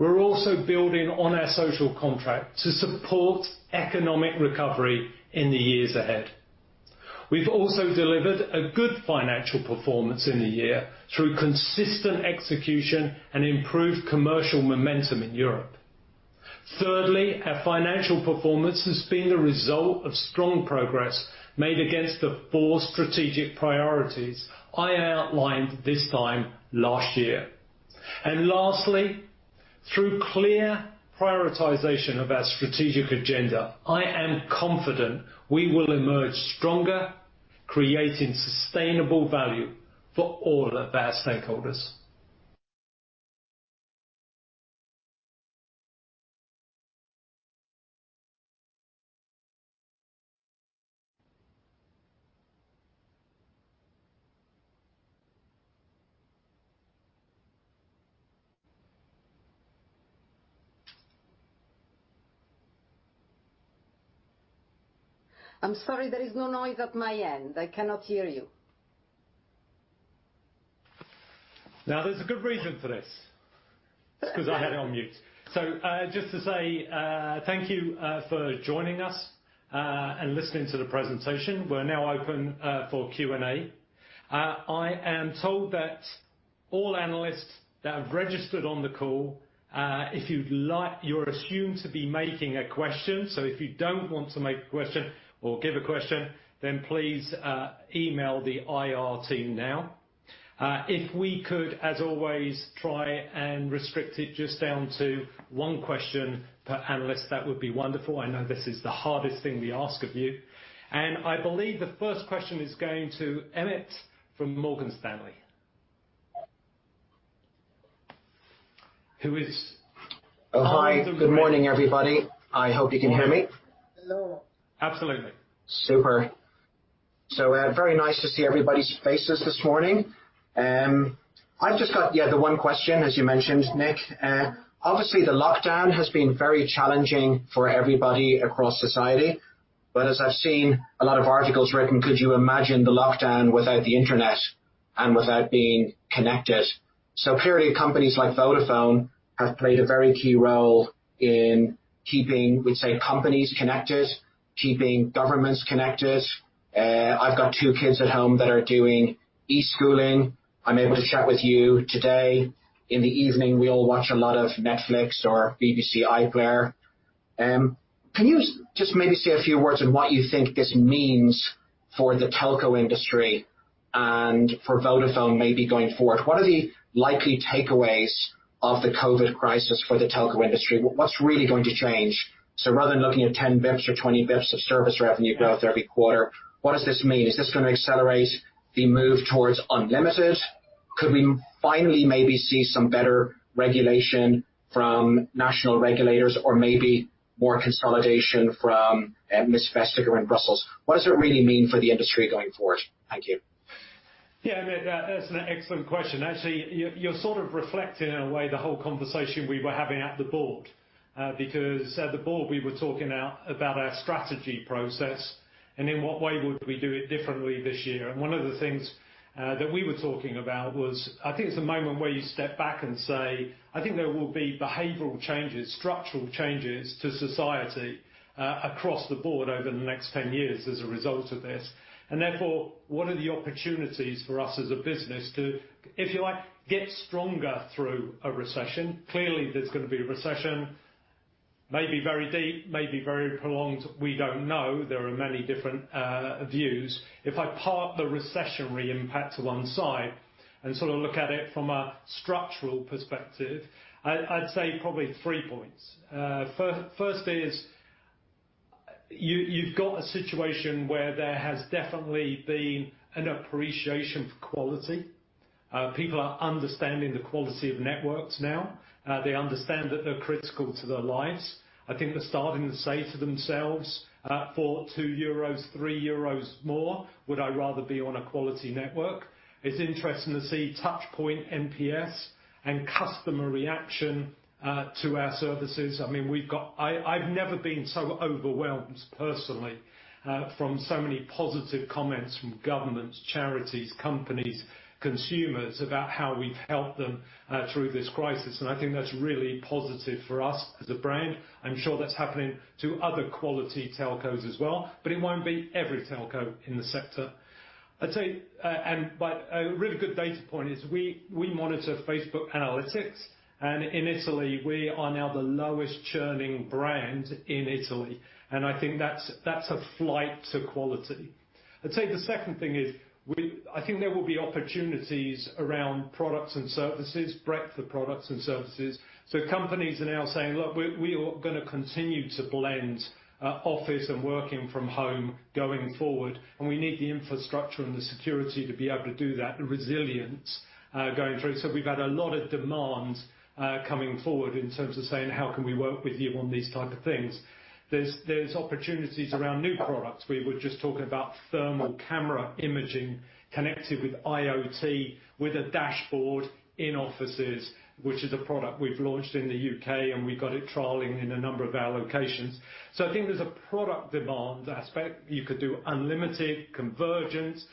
S1: We're also building on our social contract to support economic recovery in the years ahead. We've also delivered a good financial performance in the year through consistent execution and improved commercial momentum in Europe. Thirdly, our financial performance has been a result of strong progress made against the four strategic priorities I outlined this time last year. Lastly, through clear prioritization of our strategic agenda, I am confident we will emerge stronger, creating sustainable value for all of our stakeholders.
S2: I'm sorry, there is no noise at my end. I cannot hear you.
S1: There's a good reason for this, it's because I had it on mute. Thank you for joining us, and listening to the presentation. We're now open for Q&A. I am told all analysts that have registered on the call, you're assumed to be making a question. If you don't want to make a question or give a question, then please email the IR team now. If we could, as always, try and restrict it just down to one question per analyst, that would be wonderful. I know this is the hardest thing we ask of you. I believe the first question is going to Emmet from Morgan Stanley.
S3: Hi, good morning, everybody. I hope you can hear me.
S1: Absolutely.
S3: Super. Very nice to see everybody's faces this morning. I've just got the one question, as you mentioned, Nick. Obviously, the lockdown has been very challenging for everybody across society. As I've seen a lot of articles written, could you imagine the lockdown without the internet and without being connected? Clearly, companies like Vodafone have played a very key role in keeping, we'd say, companies connected, keeping governments connected. I've got two kids at home that are doing e-schooling, I'm able to chat with you today. In the evening, we all watch a lot of Netflix or BBC iPlayer. Can you just maybe say a few words on what you think this means for the telco industry and for Vodafone maybe going forward? What are the likely takeaways of the COVID crisis for the telco industry? What's really going to change? Rather than looking at 10 basis points or 20 basis points of service revenue growth every quarter, what does this mean? Is this going to accelerate the move towards unlimited? Could we finally maybe see some better regulation from national regulators or maybe more consolidation from Ms. Vestager in Brussels? What does it really mean for the industry going forward? Thank you.
S1: Yeah, Emmet, that's an excellent question. Actually, you're sort of reflecting, in a way, the whole conversation we were having at the board. At the board, we were talking about our strategy process and in what way would we do it differently this year. One of the things, that we were talking about was, I think it's a moment where you step back and say, I think there will be behavioral changes, structural changes to society, across the board over the next 10 years as a result of this. Therefore, what are the opportunities for us as a business to, if you like, get stronger through a recession? Clearly, there's going to be a recession, maybe very deep, maybe very prolonged. We don't know, there are many different views. If I park the recessionary impact to one side and sort of look at it from a structural perspective, I'd say probably three points. First is, you've got a situation where there has definitely been an appreciation for quality. People are understanding the quality of networks now, they understand that they're critical to their lives. I think they're starting to say to themselves, "For 2 euros, 3 euros more, would I rather be on a quality network?" It's interesting to see touchpoint NPS and customer reaction to our services. I've never been so overwhelmed personally, from so many positive comments from governments, charities, companies, consumers about how we've helped them through this crisis. I think that's really positive for us as a brand. I'm sure that's happening to other quality telcos as well, it won't be every telco in the sector. A really good data point is we monitor Facebook Analytics, and in Italy, we are now the lowest-churning brand in Italy. I think that's a flight to quality. I'd say the second thing is, I think there will be opportunities around products and services, breadth of products and services. Companies are now saying, "Look, we are going to continue to blend office and working from home going forward, and we need the infrastructure and the security to be able to do that, the resilience going through." We've had a lot of demands, coming forward in terms of saying, "How can we work with you on these type of things?" There's opportunities around new products. We were just talking about thermal camera imaging connected with IoT with a dashboard in offices, which is a product we've launched in the U.K., and we've got it trialing in a number of our locations. I think there's a product demand aspect. You could do unlimited convergence.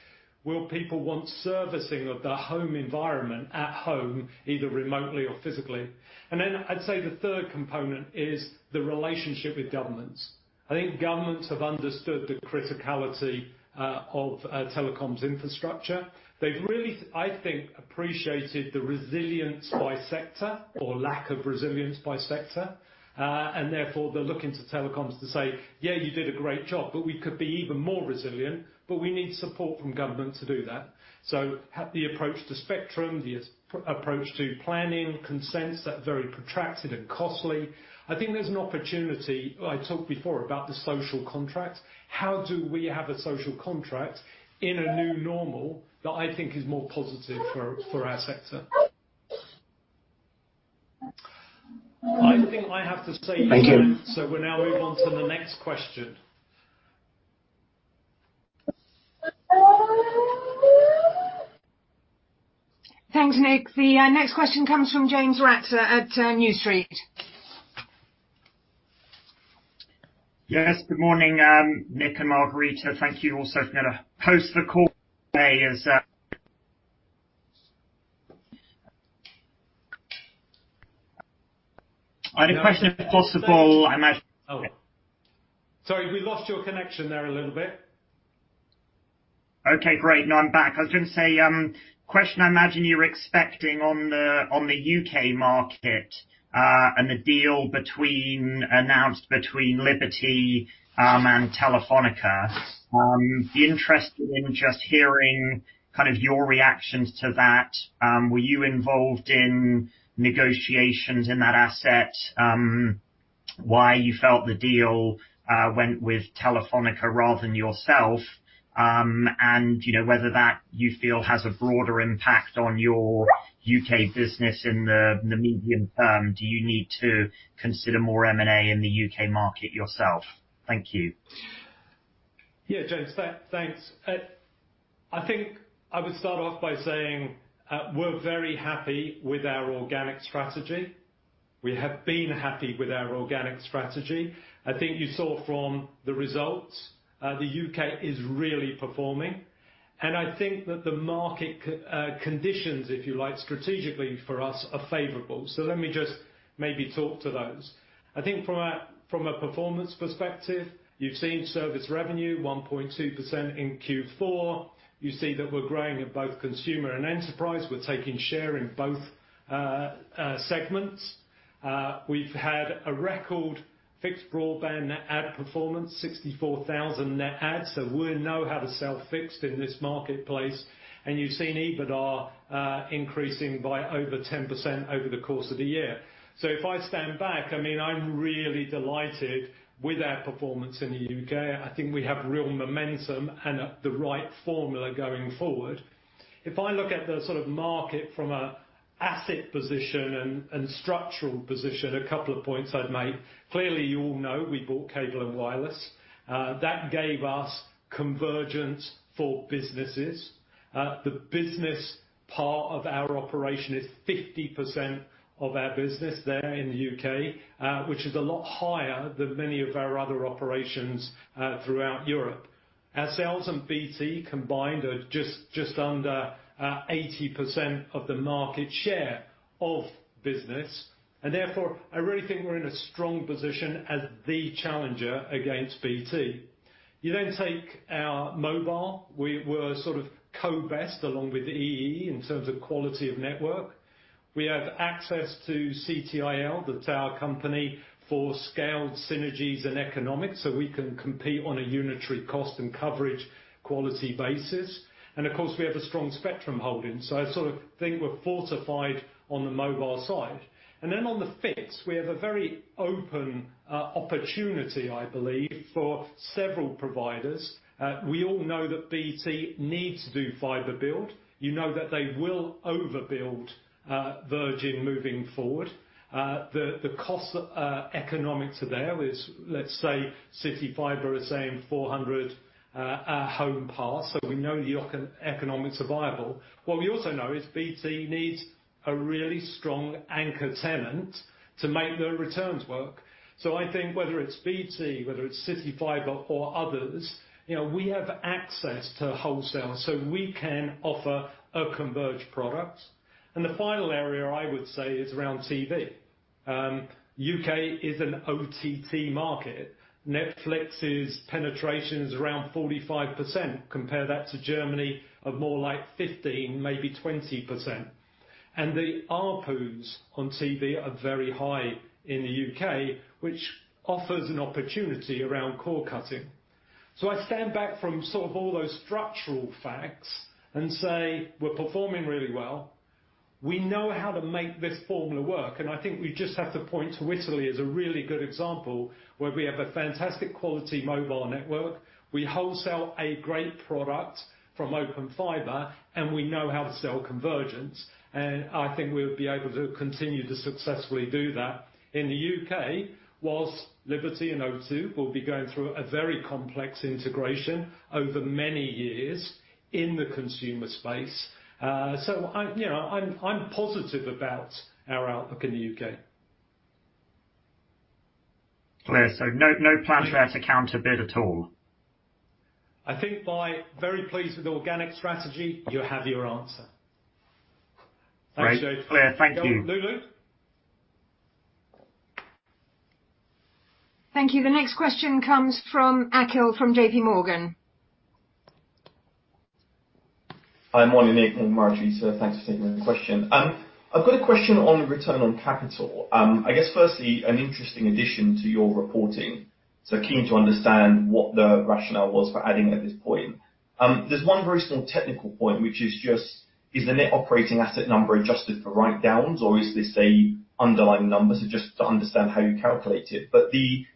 S1: Will people want servicing of their home environment at home, either remotely or physically? I'd say the third component is the relationship with governments. I think governments have understood the criticality of telecoms infrastructure. They've really, I think, appreciated the resilience by sector or lack of resilience by sector. Therefore, they're looking to telecoms to say, "Yeah, you did a great job, but we could be even more resilient, but we need support from government to do that." The approach to spectrum, the approach to planning consents that are very protracted and costly. I think there's an opportunity, I talked before about the social contract. How do we have a social contract in a new normal that I think is more positive for our sector? I think I have to say, Emmet.
S3: Thank you.
S1: We're now moving on to the next question.
S4: Thanks, Nick. The next question comes from James Ratzer at New Street.
S5: Yes, good morning, Nick and Margherita. Thank you also for hosting the call today as I had a question, if possible, I imagine. Okay.
S1: Sorry, we lost your connection there a little bit.
S5: Okay, great. Now I'm back. Question I imagine you're expecting on the U.K. market, and the deal announced between Liberty and Telefónica. Interested in just hearing your reactions to that. Were you involved in negotiations in that asset? Why you felt the deal went with Telefónica rather than yourself? Whether that, you feel, has a broader impact on your U.K. business in the medium term. Do you need to consider more M&A in the U.K. market yourself? Thank you.
S1: James, thanks. I think I would start off by saying, we're very happy with our organic strategy. We have been happy with our organic strategy. You saw from the results, the U.K. is really performing. The market conditions, if you like, strategically for us, are favorable. Let me just maybe talk to those. From a performance perspective, you've seen service revenue 1.2% in Q4. You see that we're growing in both consumer and enterprise. We're taking share in both segments. We've had a record fixed broadband net add performance, 64,000 net adds. We know how to sell fixed in this marketplace. You've seen EBITDA increasing by over 10% over the course of the year. If I stand back, I'm really delighted with our performance in the U.K. I think we have real momentum and the right formula going forward. If I look at the market from an asset position and structural position, a couple of points I'd make. Clearly, you all know we bought Cable and Wireless, that gave us convergence for businesses. The business part of our operation is 50% of our business there in the U.K., which is a lot higher than many of our other operations throughout Europe. Our sales on BT combined are just under 80% of the market share of business. Therefore, I really think we're in a strong position as the challenger against BT. You take our mobile, we're sort of co-best along with EE in terms of quality of network. We have access to CTIL, that's our company for scaled synergies and economics, so we can compete on a unitary cost and coverage quality basis. Of course, we have a strong spectrum holding. I think we're fortified on the mobile side. On the fixed, we have a very open opportunity, I believe, for several providers. We all know that BT needs to do fiber build. You know that they will overbuild Virgin moving forward. The cost economics are there, let's say CityFibre is saying 400 home pass, so we know the economics are viable. What we also know is BT needs a really strong anchor tenant to make their returns work. I think whether it's BT, whether it's CityFibre or others, we have access to wholesale, so we can offer a converged product. The final area I would say is around TV. U.K. is an OTT market. Netflix's penetration is around 45%, compare that to Germany of more like 15%, maybe 20%. The ARPUs on TV are very high in the U.K., which offers an opportunity around cord cutting. I stand back from sort of all those structural facts and say we're performing really well. We know how to make this formula work, and I think we just have to point to Italy as a really good example, where we have a fantastic quality mobile network. We wholesale a great product from Open Fiber, and we know how to sell convergence, and I think we'll be able to continue to successfully do that in the U.K., whilst Liberty and O2 will be going through a very complex integration over many years in the consumer space. I'm positive about our outlook in the U.K.
S5: Clear. No plan there to counterbid at all?
S1: I think by very pleased with the organic strategy, you have your answer. Thanks, James.
S5: Great, clear. Thank you.
S1: Lulu?
S4: Thank you. The next question comes from Akhil from JPMorgan.
S6: Hi, morning, Nick and Margherita. Thanks for taking the question. I've got a question on return on capital. I guess firstly, an interesting addition to your reporting. Keen to understand what the rationale was for adding at this point. There's one very small technical point, which is just, is the net operating asset number adjusted for write-downs, or is this a underlying number? Just to understand how you calculate it. The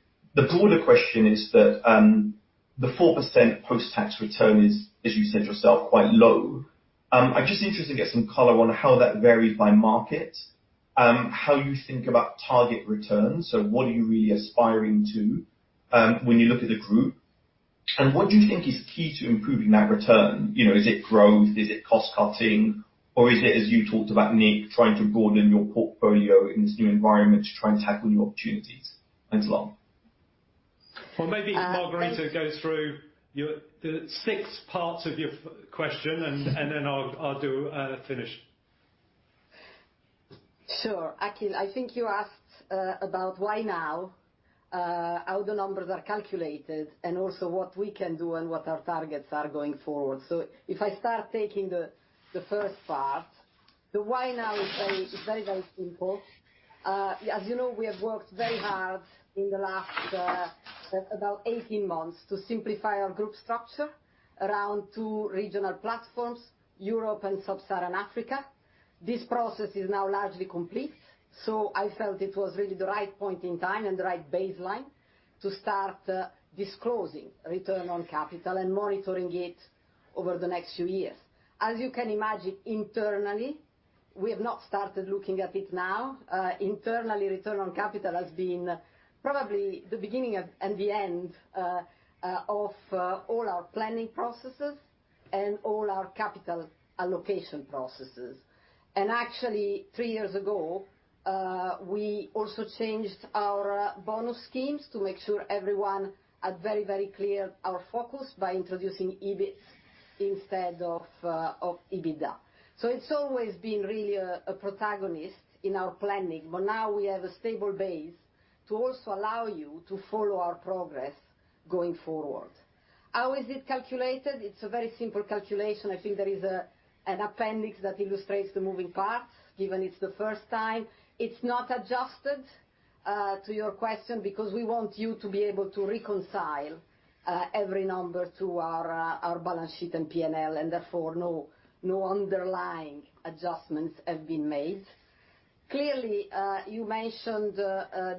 S6: broader question is that, the 4% post-tax return is, as you said yourself, quite low. I'm just interested to get some color on how that varies by market, how you think about target returns. What are you really aspiring to, when you look at the group? What do you think is key to improving that return? Is it growth? Is it cost cutting? Is it, as you talked about, Nick, trying to broaden your portfolio in this new environment to try and tackle new opportunities? Thanks a lot.
S1: Well, maybe Margherita goes through the six parts of your question, and then I'll do finish.
S2: Sure. Akhil, I think you asked about why now, how the numbers are calculated, and also what we can do and what our targets are going forward. If I start taking the first part, the why now is very, very simple. As you know, we have worked very hard in the last about 18 months to simplify our group structure around two regional platforms, Europe and sub-Saharan Africa. This process is now largely complete. I felt it was really the right point in time and the right baseline to start disclosing return on capital and monitoring it over the next few years. As you can imagine, internally, we have not started looking at it now. Internally, return on capital has been probably the beginning and the end of all our planning processes and all our capital allocation processes. Actually, three years ago, we also changed our bonus schemes to make sure everyone had very, very clear our focus by introducing EBIT instead of EBITDA. It's always been really a protagonist in our planning, but now we have a stable base to also allow you to follow our progress going forward. How is it calculated? It's a very simple calculation. I think there is an appendix that illustrates the moving parts, given it's the first time. It's not adjusted, to your question, because we want you to be able to reconcile every number to our balance sheet and P&L, and therefore, no underlying adjustments have been made. You mentioned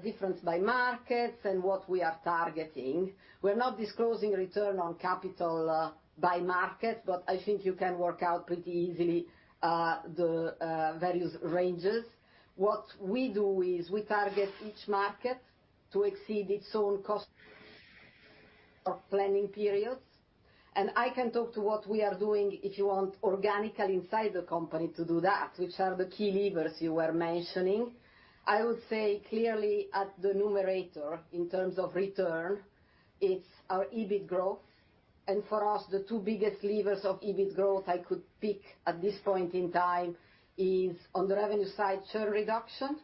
S2: difference by markets and what we are targeting. We're not disclosing return on capital by market, but I think you can work out pretty easily the various ranges. What we do is we target each market to exceed its own cost of planning periods. I can talk to what we are doing, if you want, organically inside the company to do that, which are the key levers you were mentioning. I would say, clearly, at the numerator, in terms of return, it's our EBIT growth. For us, the two biggest levers of EBIT growth I could pick at this point in time is on the revenue side, churn reduction,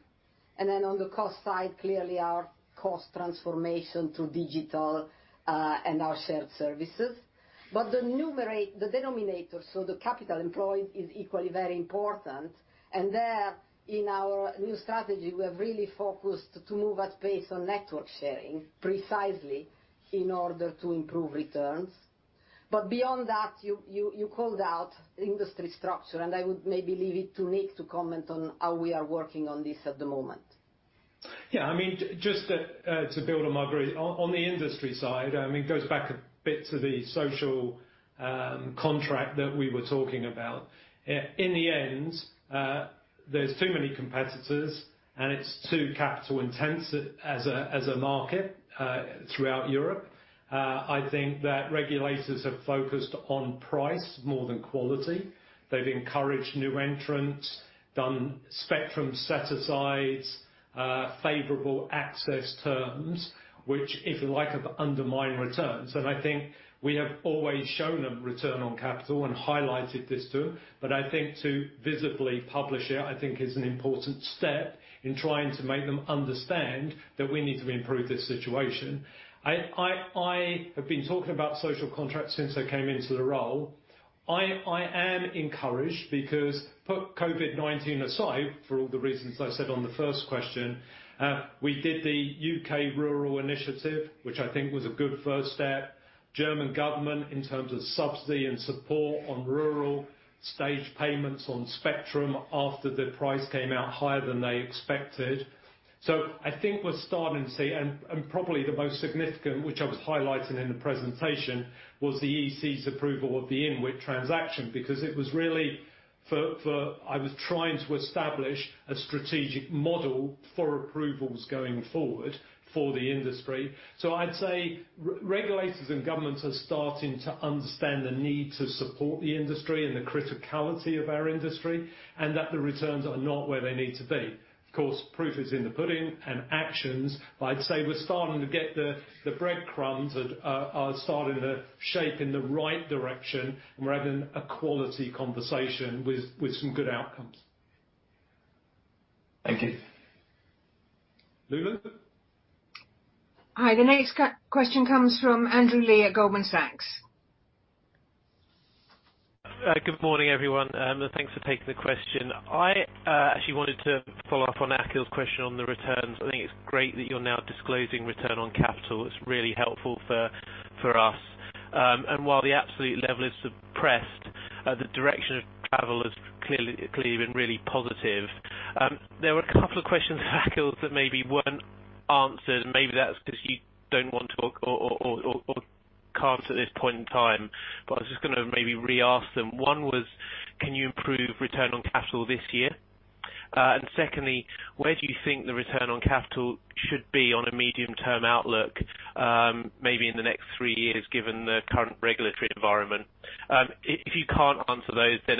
S2: and then on the cost side, clearly our cost transformation to digital and our shared services. The denominator, so the capital employed, is equally very important. There, in our new strategy, we are really focused to move at pace on network sharing, precisely in order to improve returns. Beyond that, you called out industry structure, and I would maybe leave it to Nick to comment on how we are working on this at the moment.
S1: Yeah, just to build on Margherita. On the industry side, it goes back a bit to the social contract that we were talking about. In the end, there's too many competitors, and it's too capital intense as a market throughout Europe. I think that regulators have focused on price more than quality. They've encouraged new entrants, done spectrum set-asides, favorable access terms, which, if you like, have undermined returns. I think we have always shown a return on capital and highlighted this to them. I think to visibly publish it, I think is an important step in trying to make them understand that we need to improve this situation. I have been talking about social contracts since I came into the role. I am encouraged because put COVID-19 aside, for all the reasons I said on the first question, we did the U.K. Rural Initiative, which I think was a good first step. German government, in terms of subsidy and support on rural stage payments on spectrum after the price came out higher than they expected. I think we're starting to see, and probably the most significant, which I was highlighting in the presentation, was the EC's approval of the INWIT transaction, because it was really I was trying to establish a strategic model for approvals going forward for the industry. I'd say regulators and governments are starting to understand the need to support the industry and the criticality of our industry, that the returns are not where they need to be. Of course, proof is in the pudding and actions. I'd say we're starting to get the breadcrumbs are starting to shape in the right direction, and we're having a quality conversation with some good outcomes.
S6: Thank you.
S1: Lulu?
S4: Hi. The next question comes from Andrew Lee at Goldman Sachs.
S7: Good morning, everyone. Thanks for taking the question. I actually wanted to follow up on Akhil's question on the returns. I think it's great that you're now disclosing return on capital. It's really helpful for us. While the absolute level is suppressed, the direction of travel has clearly been really positive. There were a couple of questions, Akhil, that maybe weren't answered. Maybe that's because you don't want to talk or can't at this point in time, I was just going to maybe re-ask them. One was, can you improve return on capital this year? Secondly, where do you think the return on capital should be on a medium-term outlook, maybe in the next three years, given the current regulatory environment? If you can't answer those,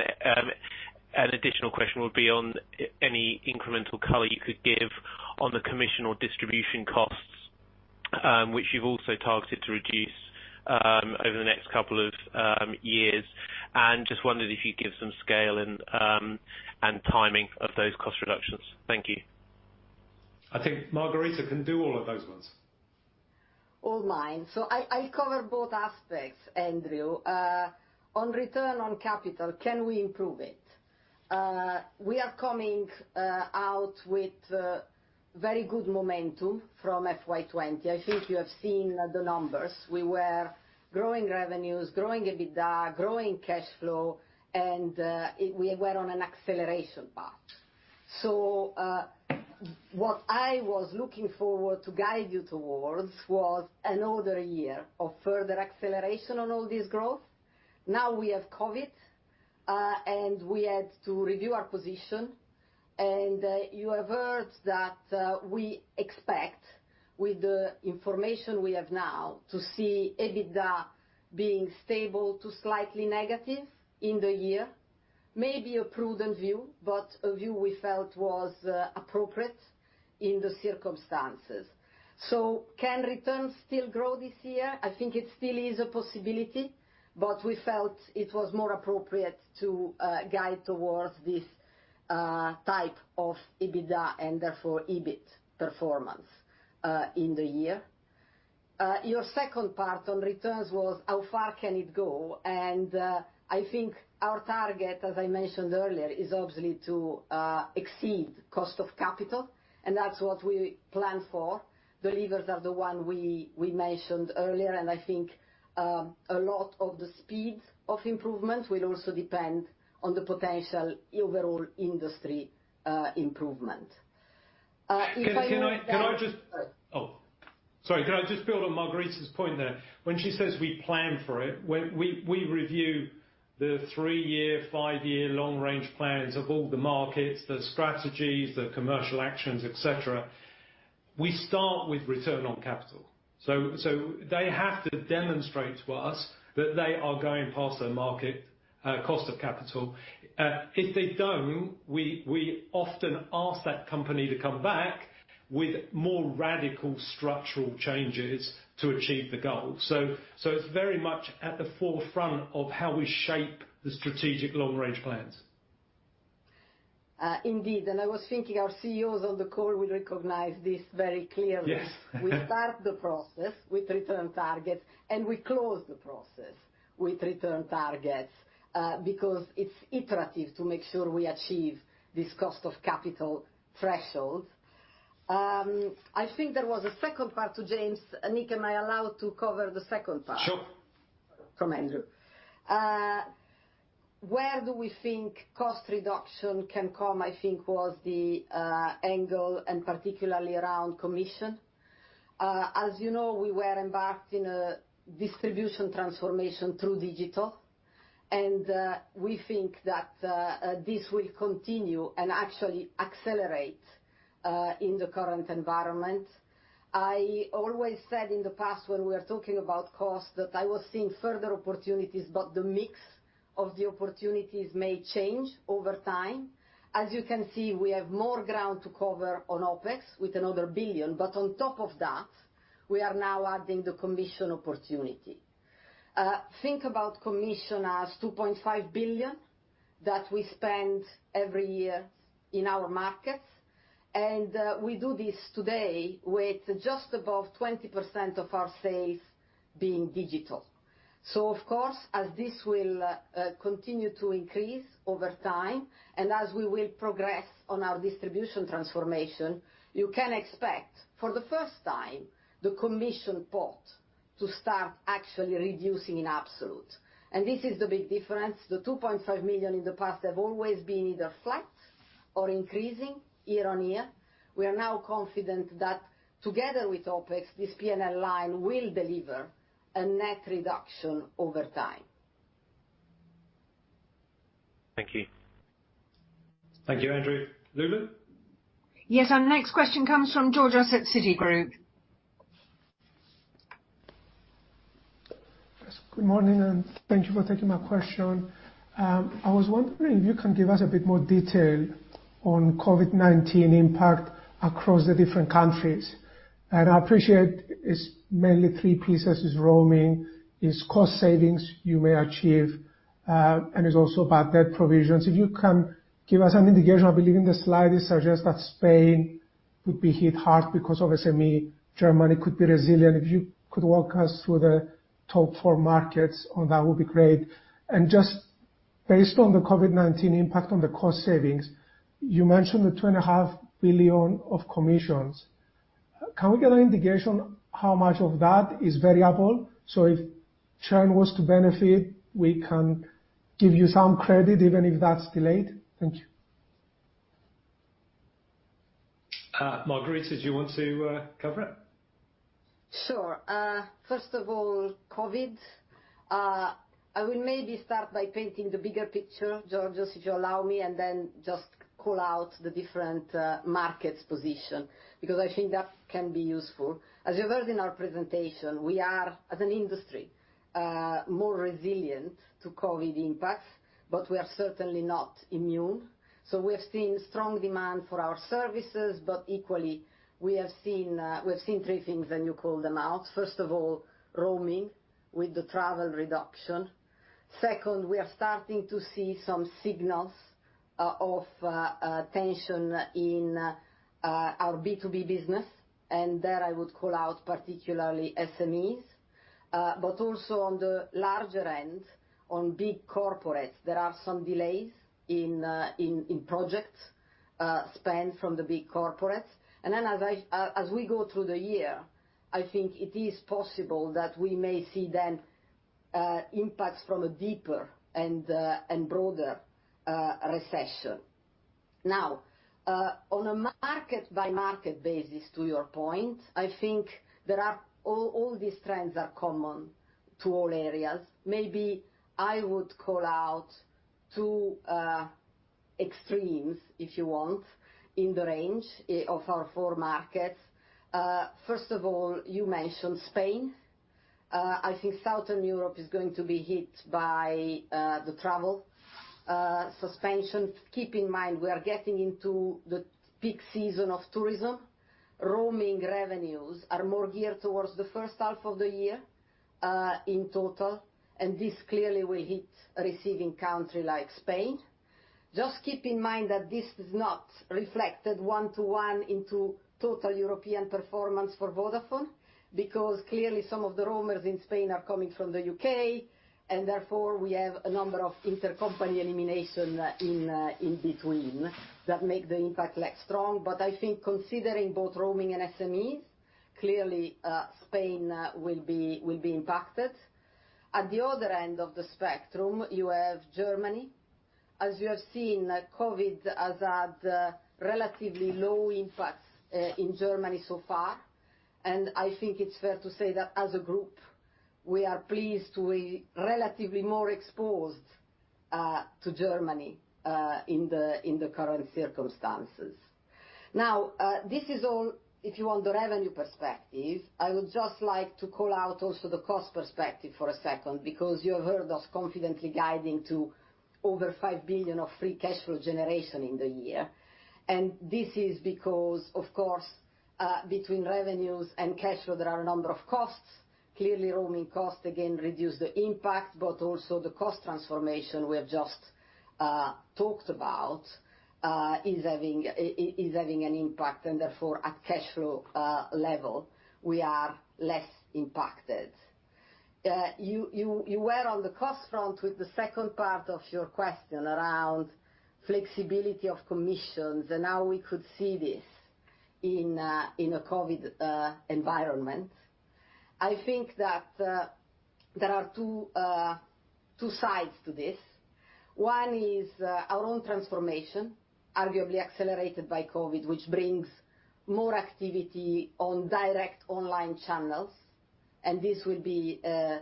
S7: an additional question would be on any incremental color you could give on the commission or distribution costs, which you've also targeted to reduce over the next couple of years. Just wondered if you'd give some scale and timing of those cost reductions. Thank you.
S1: I think Margherita can do all of those ones.
S2: All mine. I cover both aspects, Andrew. On return on capital, can we improve it? We are coming out with very good momentum from FY 2020. I think you have seen the numbers. We were growing revenues, growing EBITDA, growing cash flow, and we were on an acceleration path. What I was looking forward to guide you towards was another year of further acceleration on all this growth. Now we have COVID, and we had to review our position, and you have heard that we expect with the information we have now to see EBITDA being stable to slightly negative in the year. Maybe a prudent view, but a view we felt was appropriate in the circumstances. Can returns still grow this year? I think it still is a possibility, we felt it was more appropriate to guide towards this type of EBITDA and therefore EBIT performance in the year. Your second part on returns was how far can it go? I think our target, as I mentioned earlier, is obviously to exceed cost of capital. That's what we plan for. The levers are the one we mentioned earlier. I think a lot of the speed of improvement will also depend on the potential overall industry improvement.
S1: Oh, sorry. Can I just build on Margherita's point there? When she says we plan for it, we review the three-year, five-year long range plans of all the markets, the strategies, the commercial actions, et cetera. We start with return on capital. They have to demonstrate to us that they are going past their market cost of capital. If they don't, we often ask that company to come back with more radical structural changes to achieve the goal. It's very much at the forefront of how we shape the strategic long range plans.
S2: Indeed. I was thinking our CEOs on the call will recognize this very clearly.
S1: Yes.
S2: We start the process with return targets, and we close the process with return targets, because it's iterative to make sure we achieve this cost of capital threshold. I think there was a second part to James. Nick, am I allowed to cover the second part?
S1: Sure.
S2: From Andrew. Where do we think cost reduction can come, I think, was the angle and particularly around commission. As you know, we were embarked in a distribution transformation through digital. We think that this will continue and actually accelerate in the current environment. I always said in the past when we were talking about cost, that I was seeing further opportunities, but the mix of the opportunities may change over time. As you can see, we have more ground to cover on OpEx with another 1 billion. On top of that, we are now adding the commission opportunity. Think about commission as 2.5 billion that we spend every year in our markets, and we do this today with just above 20% of our sales being digital. Of course, as this will continue to increase over time, and as we will progress on our distribution transformation, you can expect for the first time the commission pot to start actually reducing in absolute. This is the big difference. The 2.5 million in the past have always been either flat or increasing year-on-year. We are now confident that together with OpEx, this P&L line will deliver a net reduction over time.
S7: Thank you.
S1: Thank you, Andrew. Lulu?
S4: Yes, our next question comes from Georgios of Citigroup.
S8: Good morning. Thank you for taking my question. I was wondering if you can give us a bit more detail on COVID-19 impact across the different countries. I appreciate it's mainly three pieces. It's roaming, it's cost savings you may achieve, and it's also about bad provisions. If you can give us an indication, I believe in the slide it suggests that Spain would be hit hard because of SME, Germany could be resilient. If you could walk us through the top four markets on that would be great. Just based on the COVID-19 impact on the cost savings, you mentioned the 2.5 billion of commissions. Can we get an indication how much of that is variable? If churn was to benefit, we can give you some credit, even if that's delayed. Thank you.
S1: Margherita, do you want to cover it?
S2: Sure. First of all, COVID. I will maybe start by painting the bigger picture, Georgios, if you allow me. Then just call out the different markets position, because I think that can be useful. As you heard in our presentation, we are, as an industry, more resilient to COVID impacts, but we are certainly not immune. We have seen strong demand for our services, but equally we have seen three things when you call them out. First of all, roaming with the travel reduction. Second, we are starting to see some signals of tension in our B2B business. There I would call out particularly SMEs. Also on the larger end, on big corporates, there are some delays in projects spent from the big corporates. As we go through the year, I think it is possible that we may see then impacts from a deeper and broader recession. On a market-by-market basis, to your point, I think all these trends are common to all areas. I would call out two extremes, if you want, in the range of our four markets. You mentioned Spain. I think Southern Europe is going to be hit by the travel suspension. Keep in mind, we are getting into the peak season of tourism. Roaming revenues are more geared towards the first half of the year in total, and this clearly will hit a receiving country like Spain. Just keep in mind that this is not reflected one-to-one into total European performance for Vodafone, because clearly some of the roamers in Spain are coming from the U.K., and therefore we have a number of intercompany elimination in between that make the impact less strong. I think considering both roaming and SMEs, clearly Spain will be impacted. At the other end of the spectrum, you have Germany. As we have seen, COVID has had relatively low impact in Germany so far, and I think it's fair to say that as a group, we are pleased we're relatively more exposed to Germany in the current circumstances. This is all if you want the revenue perspective. I would just like to call out also the cost perspective for a second, because you have heard us confidently guiding to over 5 billion of free cash flow generation in the year. This is because, of course, between revenues and cash flow, there are a number of costs. Clearly, roaming costs, again, reduce the impact, but also the cost transformation we have just talked about is having an impact. Therefore, at cash flow level, we are less impacted. You were on the cost front with the second part of your question around flexibility of commissions and how we could see this in a COVID environment. I think that there are two sides to this. One is our own transformation, arguably accelerated by COVID, which brings more activity on direct online channels, and this will be an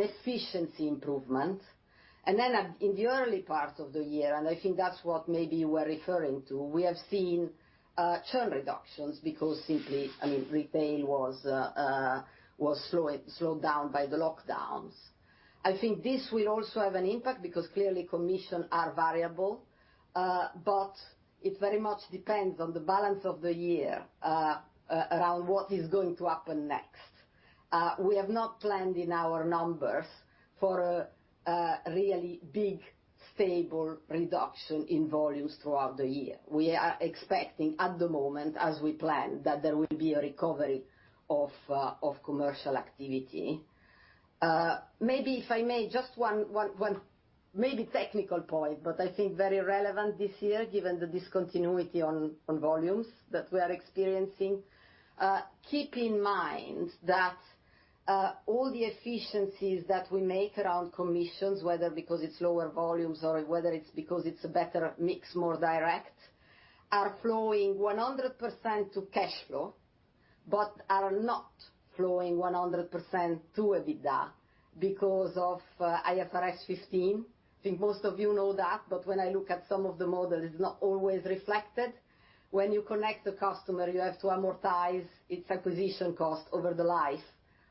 S2: efficiency improvement. Then in the early part of the year, and I think that's what maybe you were referring to, we have seen churn reductions because simply retail was slowed down by the lockdowns. I think this will also have an impact because clearly commission are variable. It very much depends on the balance of the year around what is going to happen next. We have not planned in our numbers for a really big, stable reduction in volumes throughout the year. We are expecting at the moment, as we plan, that there will be a recovery of commercial activity. Maybe if I may, just one maybe technical point, I think very relevant this year given the discontinuity on volumes that we are experiencing. Keep in mind that all the efficiencies that we make around commissions, whether because it's lower volumes or whether it's because it's a better mix, more direct, are flowing 100% to cash flow, are not flowing 100% to EBITDA because of IFRS 15. I think most of you know that, but when I look at some of the models, it's not always reflected. When you connect the customer, you have to amortize its acquisition cost over the life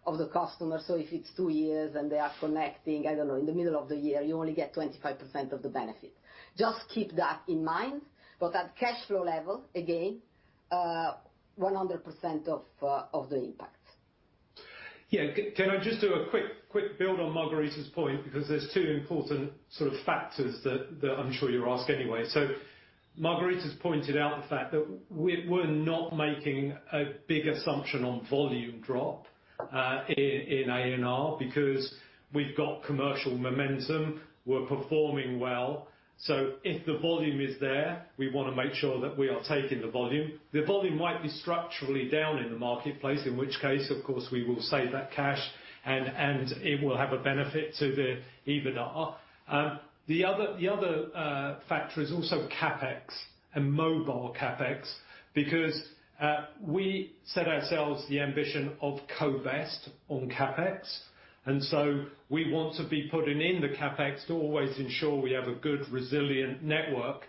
S2: of the customer. If it's two years and they are connecting, I don't know, in the middle of the year, you only get 25% of the benefit. Just keep that in mind. At cash flow level, again, 100% of the impact.
S1: Yeah. Can I just do a quick build on Margherita's point? There's two important sort of factors that I'm sure you'll ask anyway. Margherita's pointed out the fact that we're not making a big assumption on volume drop in A&R because we've got commercial momentum. We're performing well. If the volume is there, we want to make sure that we are taking the volume. The volume might be structurally down in the marketplace, in which case, of course, we will save that cash and it will have a benefit to the EBITDA. The other factor is also CapEx and mobile CapEx, because we set ourselves the ambition of co-invest on CapEx, and so we want to be putting in the CapEx to always ensure we have a good, resilient network.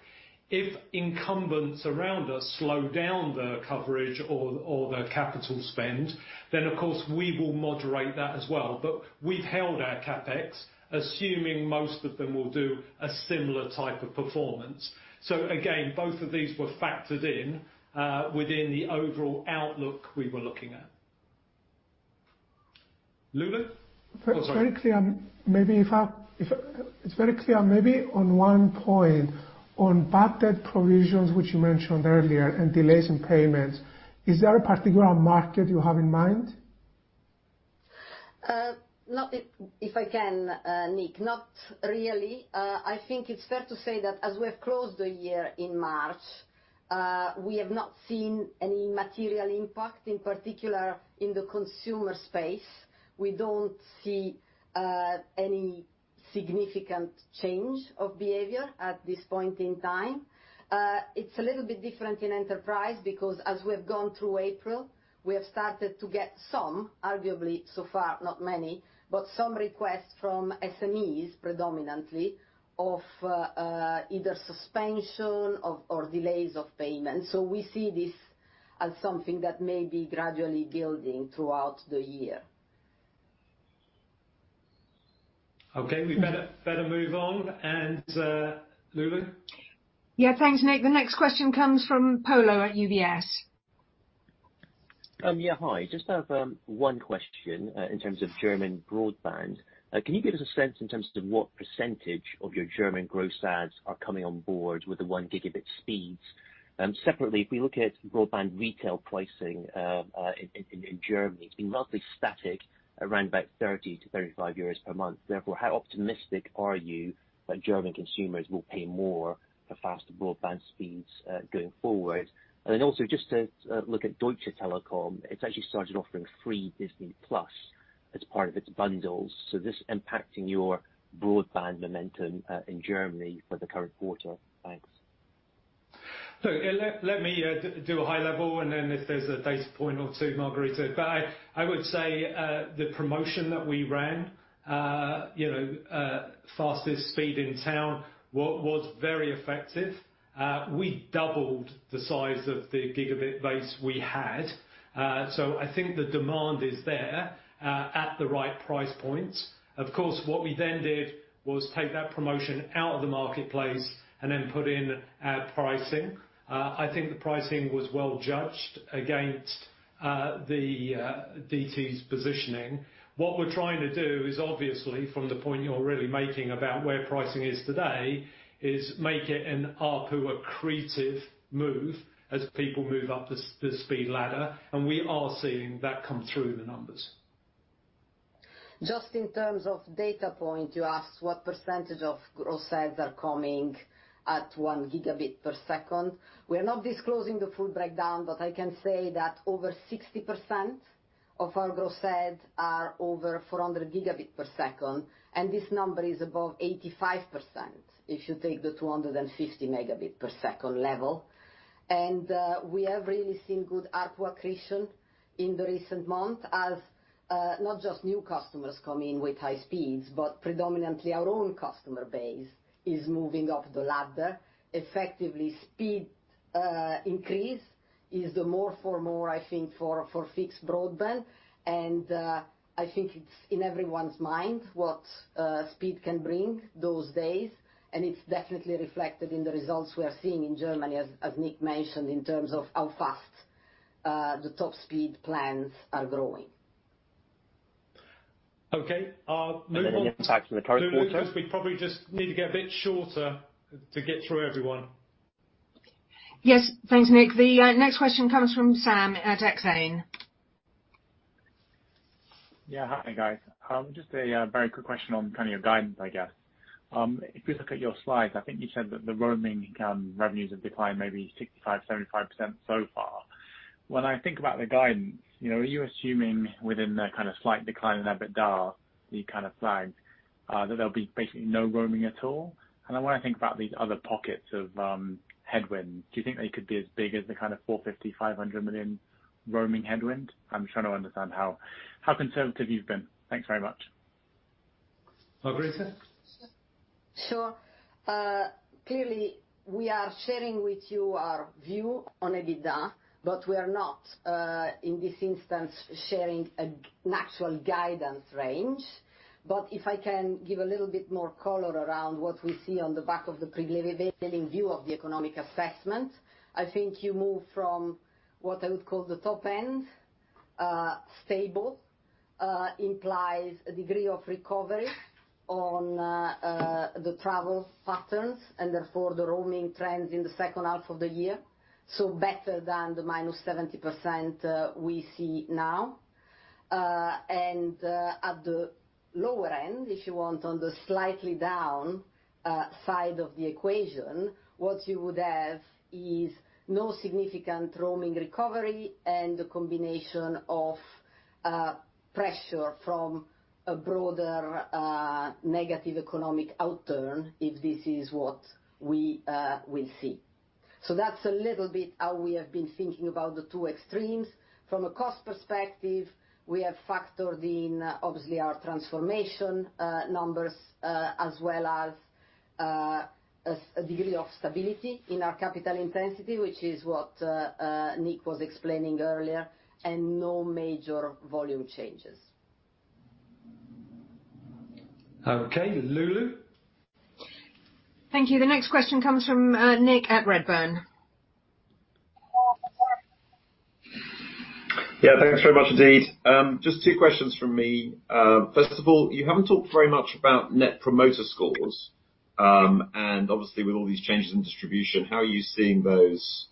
S1: If incumbents around us slow down their coverage or their capital spend, then, of course, we will moderate that as well. We've held our CapEx, assuming most of them will do a similar type of performance. Again, both of these were factored in within the overall outlook we were looking at. Lulu?
S8: It's very clear. Maybe on one point, on bad debt provisions, which you mentioned earlier, and delays in payments, is there a particular market you have in mind?
S2: If I can, Nick. Not really, I think it's fair to say that as we have closed the year in March, we have not seen any material impact, in particular, in the consumer space. We don't see any significant change of behavior at this point in time. It's a little bit different in enterprise, because as we have gone through April, we have started to get some, arguably so far not many, but some requests from SMEs, predominantly, of either suspension or delays of payments. We see this as something that may be gradually building throughout the year.
S1: Okay, we better move on. Lulu?
S4: Yeah, thanks, Nick. The next question comes from Polo at UBS.
S9: Hi. I just have one question in terms of German broadband. Can you give us a sense in terms of what percentage of your German gross adds are coming on board with the 1 Gb speeds? Separately, if we look at broadband retail pricing in Germany, it's been roughly static around about 30-35 euros per month. How optimistic are you that German consumers will pay more for faster broadband speeds going forward? Also just to look at Deutsche Telekom, it's actually started offering free Disney+ as part of its bundles. Is this impacting your broadband momentum in Germany for the current quarter? Thanks.
S1: Look, let me do a high level, and then if there's a data point or two, Margherita. I would say the promotion that we ran, fastest speed in town, was very effective. We doubled the size of the gigabit base we had. I think the demand is there at the right price points. Of course, what we then did was take that promotion out of the marketplace and then put in our pricing. I think the pricing was well judged against DT's positioning. What we're trying to do is obviously, from the point you're really making about where pricing is today, is make it an ARPU accretive move as people move up the speed ladder, and we are seeing that come through the numbers.
S2: Just in terms of data point, you asked what percentage of gross adds are coming at 1 Gbps. We are not disclosing the full breakdown, but I can say that over 60% of our gross adds are over 400 Gbps, and this number is above 85%, if you take the 250 Mbps level. We have really seen good ARPU accretion in the recent month as not just new customers come in with high speeds, but predominantly our own customer base is moving up the ladder. Effectively, speed increase is the more for more, I think, for fixed broadband. I think it's in everyone's mind what speed can bring those days, and it's definitely reflected in the results we are seeing in Germany, as Nick mentioned, in terms of how fast the top speed plans are growing.
S1: Okay.
S9: The impact in the current quarter?
S1: Lulu, because we probably just need to get a bit shorter to get through everyone.
S4: Yes, thanks, Nick. The next question comes from Sam at Exane.
S10: Yeah, hi, guys. Just a very quick question on your guidance, I guess. If we look at your slides, I think you said that the roaming revenues have declined maybe 65%-75% so far. When I think about the guidance, are you assuming within the slight decline in EBITDA you flagged, that there'll be basically no roaming at all? I want to think about these other pockets of headwinds. Do you think they could be as big as the kind of 450 million-500 million roaming headwind? I'm trying to understand how conservative you've been. Thanks very much.
S1: Margherita?
S2: Sure. Clearly we are sharing with you our view on EBITDA, but we are not, in this instance, sharing an actual guidance range. If I can give a little bit more color around what we see on the back of the prevailing view of the economic assessment, I think you move from what I would call the top end. Stable implies a degree of recovery on the travel patterns and therefore the roaming trends in the second half of the year. Better than the -70% we see now. At the lower end, if you want, on the slightly down side of the equation, what you would have is no significant roaming recovery and the combination of- Pressure from a broader negative economic outturn, if this is what we will see. That's a little bit how we have been thinking about the two extremes. From a cost perspective, we have factored in, obviously, our transformation numbers, as well as a degree of stability in our capital intensity, which is what Nick was explaining earlier, and no major volume changes.
S1: Okay. Lulu?
S4: Thank you. The next question comes from Nick at Redburn.
S11: Yeah, thanks very much indeed. Just two questions from me. First of all, you haven't talked very much about Net Promoter Scores. Obviously, with all these changes in distribution, how are you seeing those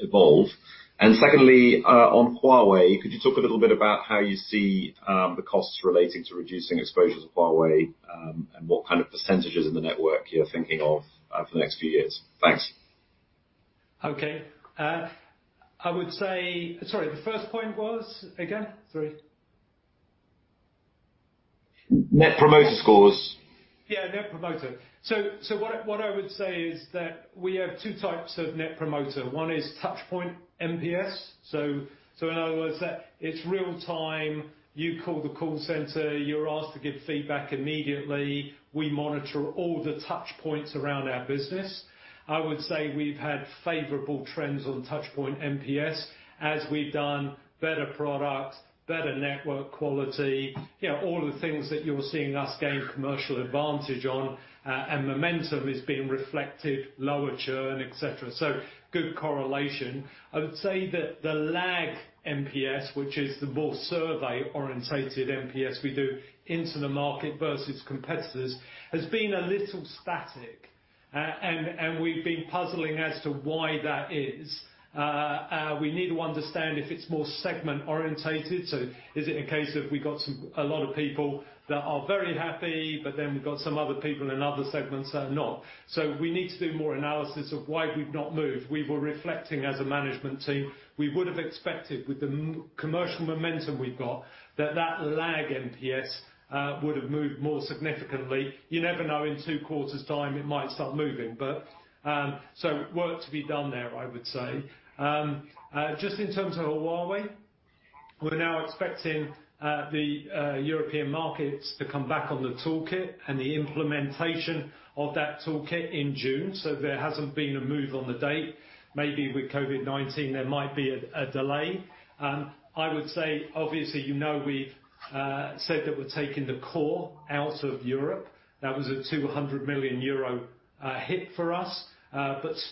S11: evolve? Secondly, on Huawei, could you talk a little bit about how you see the costs relating to reducing exposures of Huawei, and what kind of percentages in the network you're thinking of for the next few years? Thanks.
S1: Okay. I would say Sorry, the first point was? Again, sorry.
S11: Net Promoter Scores.
S1: Yeah, net promoter. What I would say is that we have two types of net promoter. One is touchpoint NPS. In other words, that it's real time, you call the call center, you're asked to give feedback immediately. We monitor all the touchpoints around our business. I would say we've had favorable trends on touchpoint NPS as we've done better product, better network quality, all the things that you're seeing us gain commercial advantage on. Momentum is being reflected, lower churn, et cetera. Good correlation. I would say that the lag NPS, which is the more survey-orientated NPS we do into the market versus competitors, has been a little static. We've been puzzling as to why that is. We need to understand if it's more segment-orientated. Is it a case of we got a lot of people that are very happy, but then we've got some other people in other segments that are not? We need to do more analysis of why we've not moved. We were reflecting as a management team, we would have expected with the commercial momentum we've got, that that lag NPS would have moved more significantly. You never know, in two quarters' time, it might start moving. Work to be done there, I would say. Just in terms of Huawei, we're now expecting the European markets to come back on the toolkit and the implementation of that toolkit in June. There hasn't been a move on the date. Maybe with COVID-19, there might be a delay. I would say, obviously, you know we've said that we're taking the core out of Europe. That was a 200 million euro hit for us.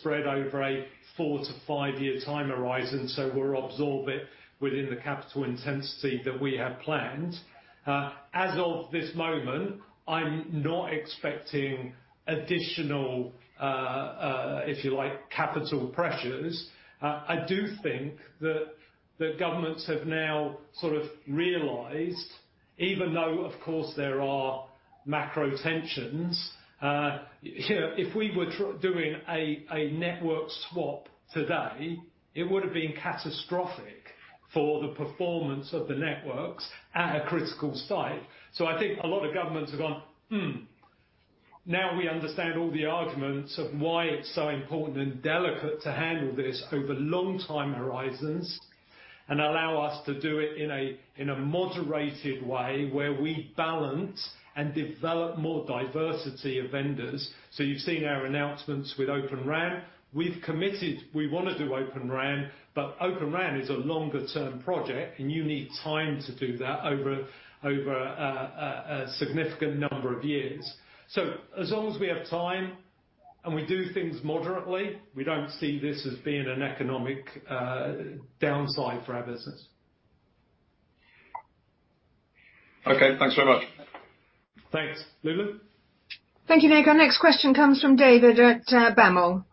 S1: Spread over a four to five-year time horizon. We'll absorb it within the capital intensity that we had planned. As of this moment, I'm not expecting additional, if you like, capital pressures. I do think that governments have now sort of realized, even though, of course, there are macro tensions. If we were doing a network swap today, it would have been catastrophic for the performance of the networks at a critical site. I think a lot of governments have gone, "Hmm, now we understand all the arguments of why it's so important and delicate to handle this over long time horizons and allow us to do it in a moderated way where we balance and develop more diversity of vendors." You've seen our announcements with Open RAN. We've committed we want to do Open RAN. Open RAN is a longer term project. You need time to do that over a significant number of years. As long as we have time and we do things moderately, we don't see this as being an economic downside for our business.
S11: Okay, thanks very much.
S1: Thanks. Lulu?
S4: Thank you, Nick. Our next question comes from David Wright at BAML.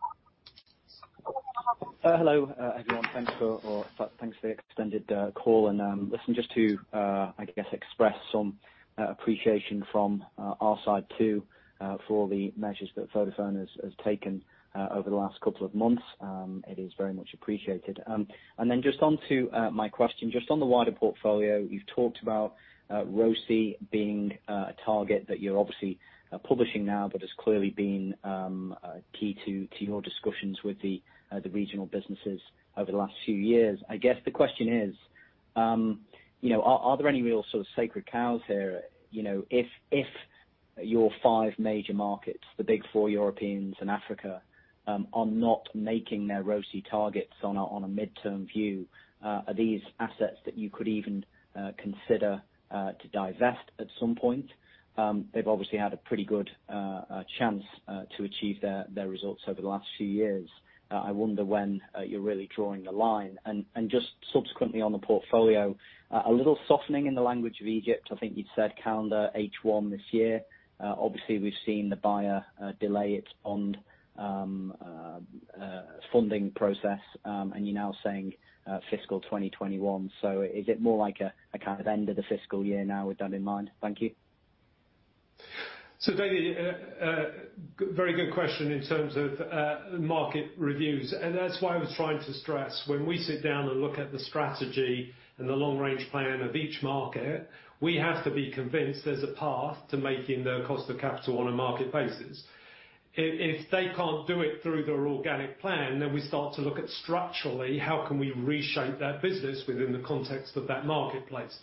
S12: Hello, everyone. Thanks for the extended call and listen just to, I guess express some appreciation from our side too, for all the measures that Vodafone has taken over the last couple of months. It is very much appreciated. Just onto my question. Just on the wider portfolio, you've talked about ROCE being a target that you're obviously publishing now, but has clearly been key to your discussions with the regional businesses over the last few years. I guess the question is, are there any real sort of sacred cows here? If your five major markets, the big four Europeans and Africa, are not making their ROCE targets on a midterm view, are these assets that you could even consider to divest at some point? They've obviously had a pretty good chance to achieve their results over the last few years. I wonder when you're really drawing the line. Subsequently on the portfolio, a little softening in the language of Egypt. I think you'd said calendar H1 this year. Obviously, we've seen the buyer delay its bond funding process, and you're now saying fiscal 2021. Is it more like a kind of end of the fiscal year now with that in mind? Thank you.
S1: David, very good question in terms of market reviews, and that's why I was trying to stress, when we sit down and look at the strategy and the long-range plan of each market, we have to be convinced there's a path to making the cost of capital on a market basis. If they can't do it through their organic plan, we start to look at structurally, how can we reshape that business within the context of that marketplace?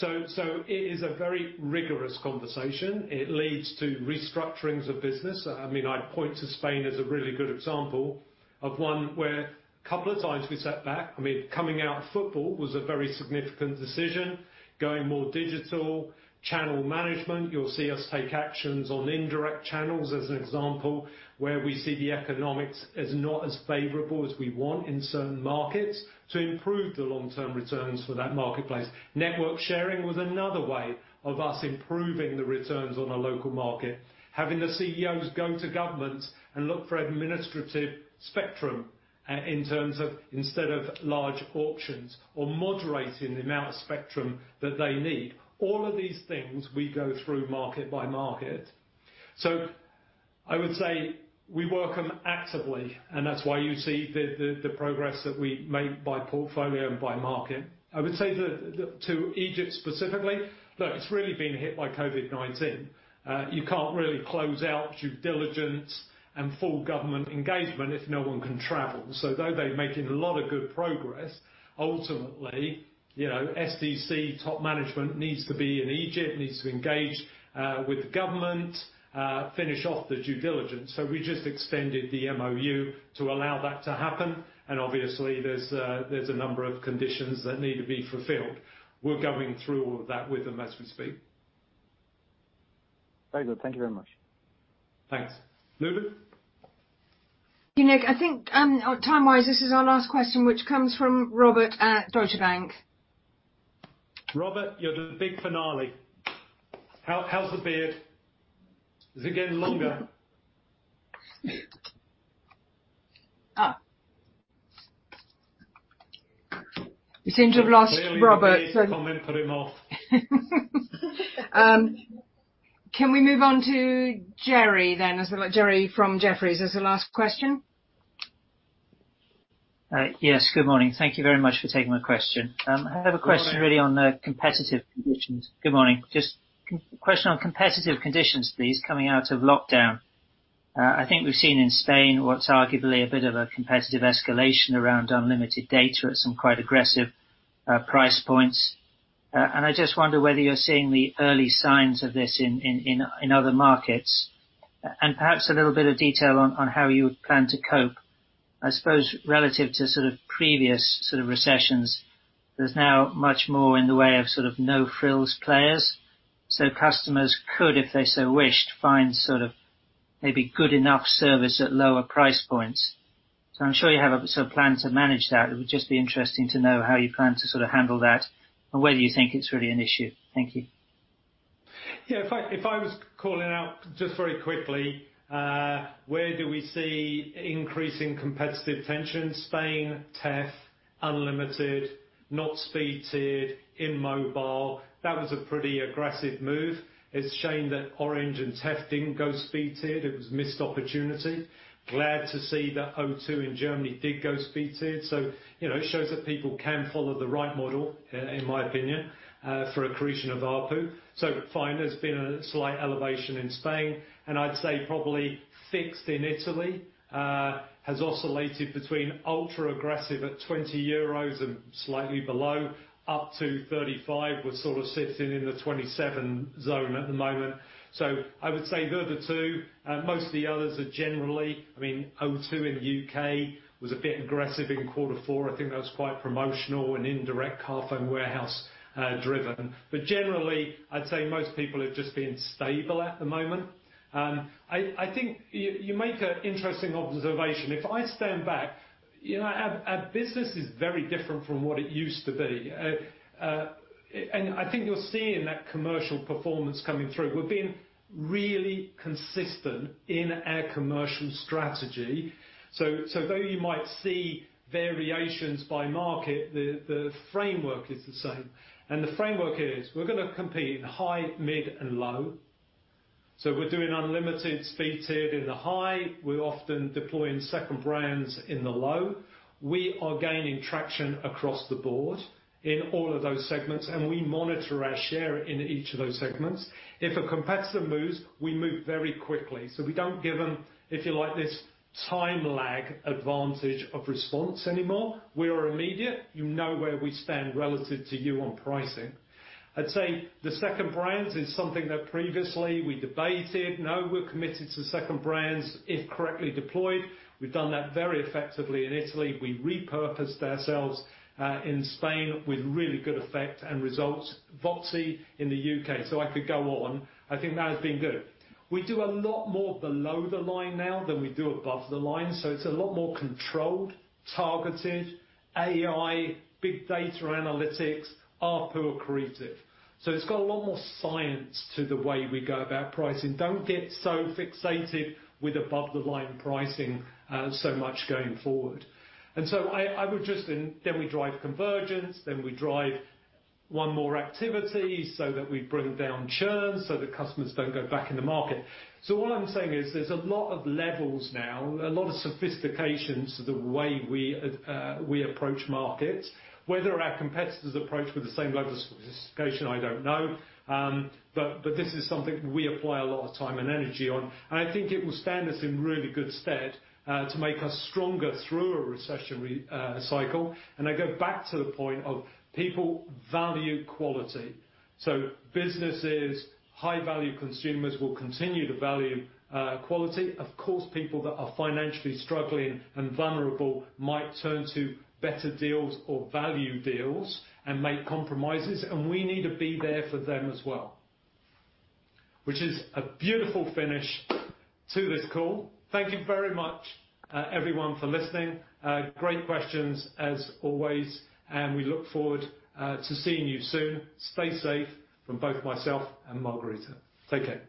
S1: It is a very rigorous conversation. It leads to restructurings of business. I'd point to Spain as a really good example of one where a couple of times we sat back. Coming out football was a very significant decision, going more digital, channel management. You'll see us take actions on indirect channels, as an example, where we see the economics as not as favorable as we want in certain markets to improve the long-term returns for that marketplace. Network sharing was another way of us improving the returns on a local market. Having the CEOs go to governments and look for administrative spectrum instead of large auctions or moderating the amount of spectrum that they need. All of these things we go through market by market. I would say we work on actively, and that's why you see the progress that we make by portfolio and by market. I would say that to Egypt specifically, look, it's really been hit by COVID-19. You can't really close out due diligence and full government engagement if no one can travel. Though they're making a lot of good progress, ultimately, STC top management needs to be in Egypt, needs to engage with the government, finish off the due diligence. We just extended the MOU to allow that to happen, and obviously there's a number of conditions that need to be fulfilled. We're going through all of that with them as we speak.
S12: Very good. Thank you very much.
S1: Thanks. Lulu?
S4: Nick, I think time-wise, this is our last question, which comes from Robert at Deutsche Bank.
S1: Robert, you're the big finale. How's the beard? Is it getting longer?
S4: We seem to have lost Robert.
S1: Clearly the beard comment put him off.
S4: Can we move on to Jerry, then? Jerry from Jefferies as the last question.
S13: Yes, good morning. Thank you very much for taking my question.
S1: Good morning.
S13: I have a question really on the competitive conditions. Good morning. Just a question on competitive conditions, please, coming out of lockdown. I think we've seen in Spain what's arguably a bit of a competitive escalation around unlimited data at some quite aggressive price points. I just wonder whether you're seeing the early signs of this in other markets. Perhaps a little bit of detail on how you plan to cope. I suppose relative to previous recessions, there's now much more in the way of no-frills players. Customers could, if they so wished, find maybe good enough service at lower price points. I'm sure you have a plan to manage that. It would just be interesting to know how you plan to handle that, and whether you think it's really an issue. Thank you.
S1: Yeah, if I was calling out just very quickly, where do we see increasing competitive tension? Spain, TEF, unlimited, not speed tiered, in mobile. That was a pretty aggressive move. It's a shame that Orange and TEF didn't go speed tiered. It was a missed opportunity. Glad to see that O2 in Germany did go speed tiered. It shows that people can follow the right model, in my opinion, for accretion of ARPU. Fine, there's been a slight elevation in Spain, and I'd say probably fixed in Italy. Has oscillated between ultra-aggressive at 20 euros and slightly below, up to 35. We're sort of sitting in the 27 zone at the moment. I would say they're the two. Most of the others are generally, O2 in the U.K. was a bit aggressive in quarter four. I think that was quite promotional and indirect Carphone Warehouse driven. Generally, I'd say most people have just been stable at the moment. I think you make an interesting observation. If I stand back, our business is very different from what it used to be. I think you're seeing that commercial performance coming through. We're being really consistent in our commercial strategy. Though you might see variations by market, the framework is the same. The framework is we're going to compete in high, mid, and low. We're doing unlimited speed tiered in the high. We're often deploying second brands in the low. We are gaining traction across the board in all of those segments, and we monitor our share in each of those segments. If a competitor moves, we move very quickly. We don't give them, if you like, this time lag advantage of response anymore. We are immediate. You know where we stand relative to you on pricing. I'd say the second brands is something that previously we debated. Now we're committed to second brands if correctly deployed. We've done that very effectively in Italy. We repurposed ourselves in Spain with really good effect and results. VOXI in the U.K. I could go on. I think that has been good. We do a lot more below the line now than we do above the line. It's a lot more controlled, targeted, AI, big data analytics, ARPU accretive. It's got a lot more science to the way we go about pricing. Don't get so fixated with above-the-line pricing so much going forward. We drive convergence, we drive one more activity so that we bring down churn so that customers don't go back in the market. All I’m saying is there’s a lot of levels now, a lot of sophistication to the way we approach markets. Whether our competitors approach with the same level of sophistication, I don’t know. This is something we apply a lot of time and energy on. I think it will stand us in really good stead to make us stronger through a recession cycle. I go back to the point of people value quality. Businesses, high-value consumers will continue to value quality. Of course, people that are financially struggling and vulnerable might turn to better deals or value deals and make compromises, and we need to be there for them as well. Which is a beautiful finish to this call. Thank you very much everyone for listening, great questions as always, and we look forward to seeing you soon. Stay safe from both myself and Margherita. Take care.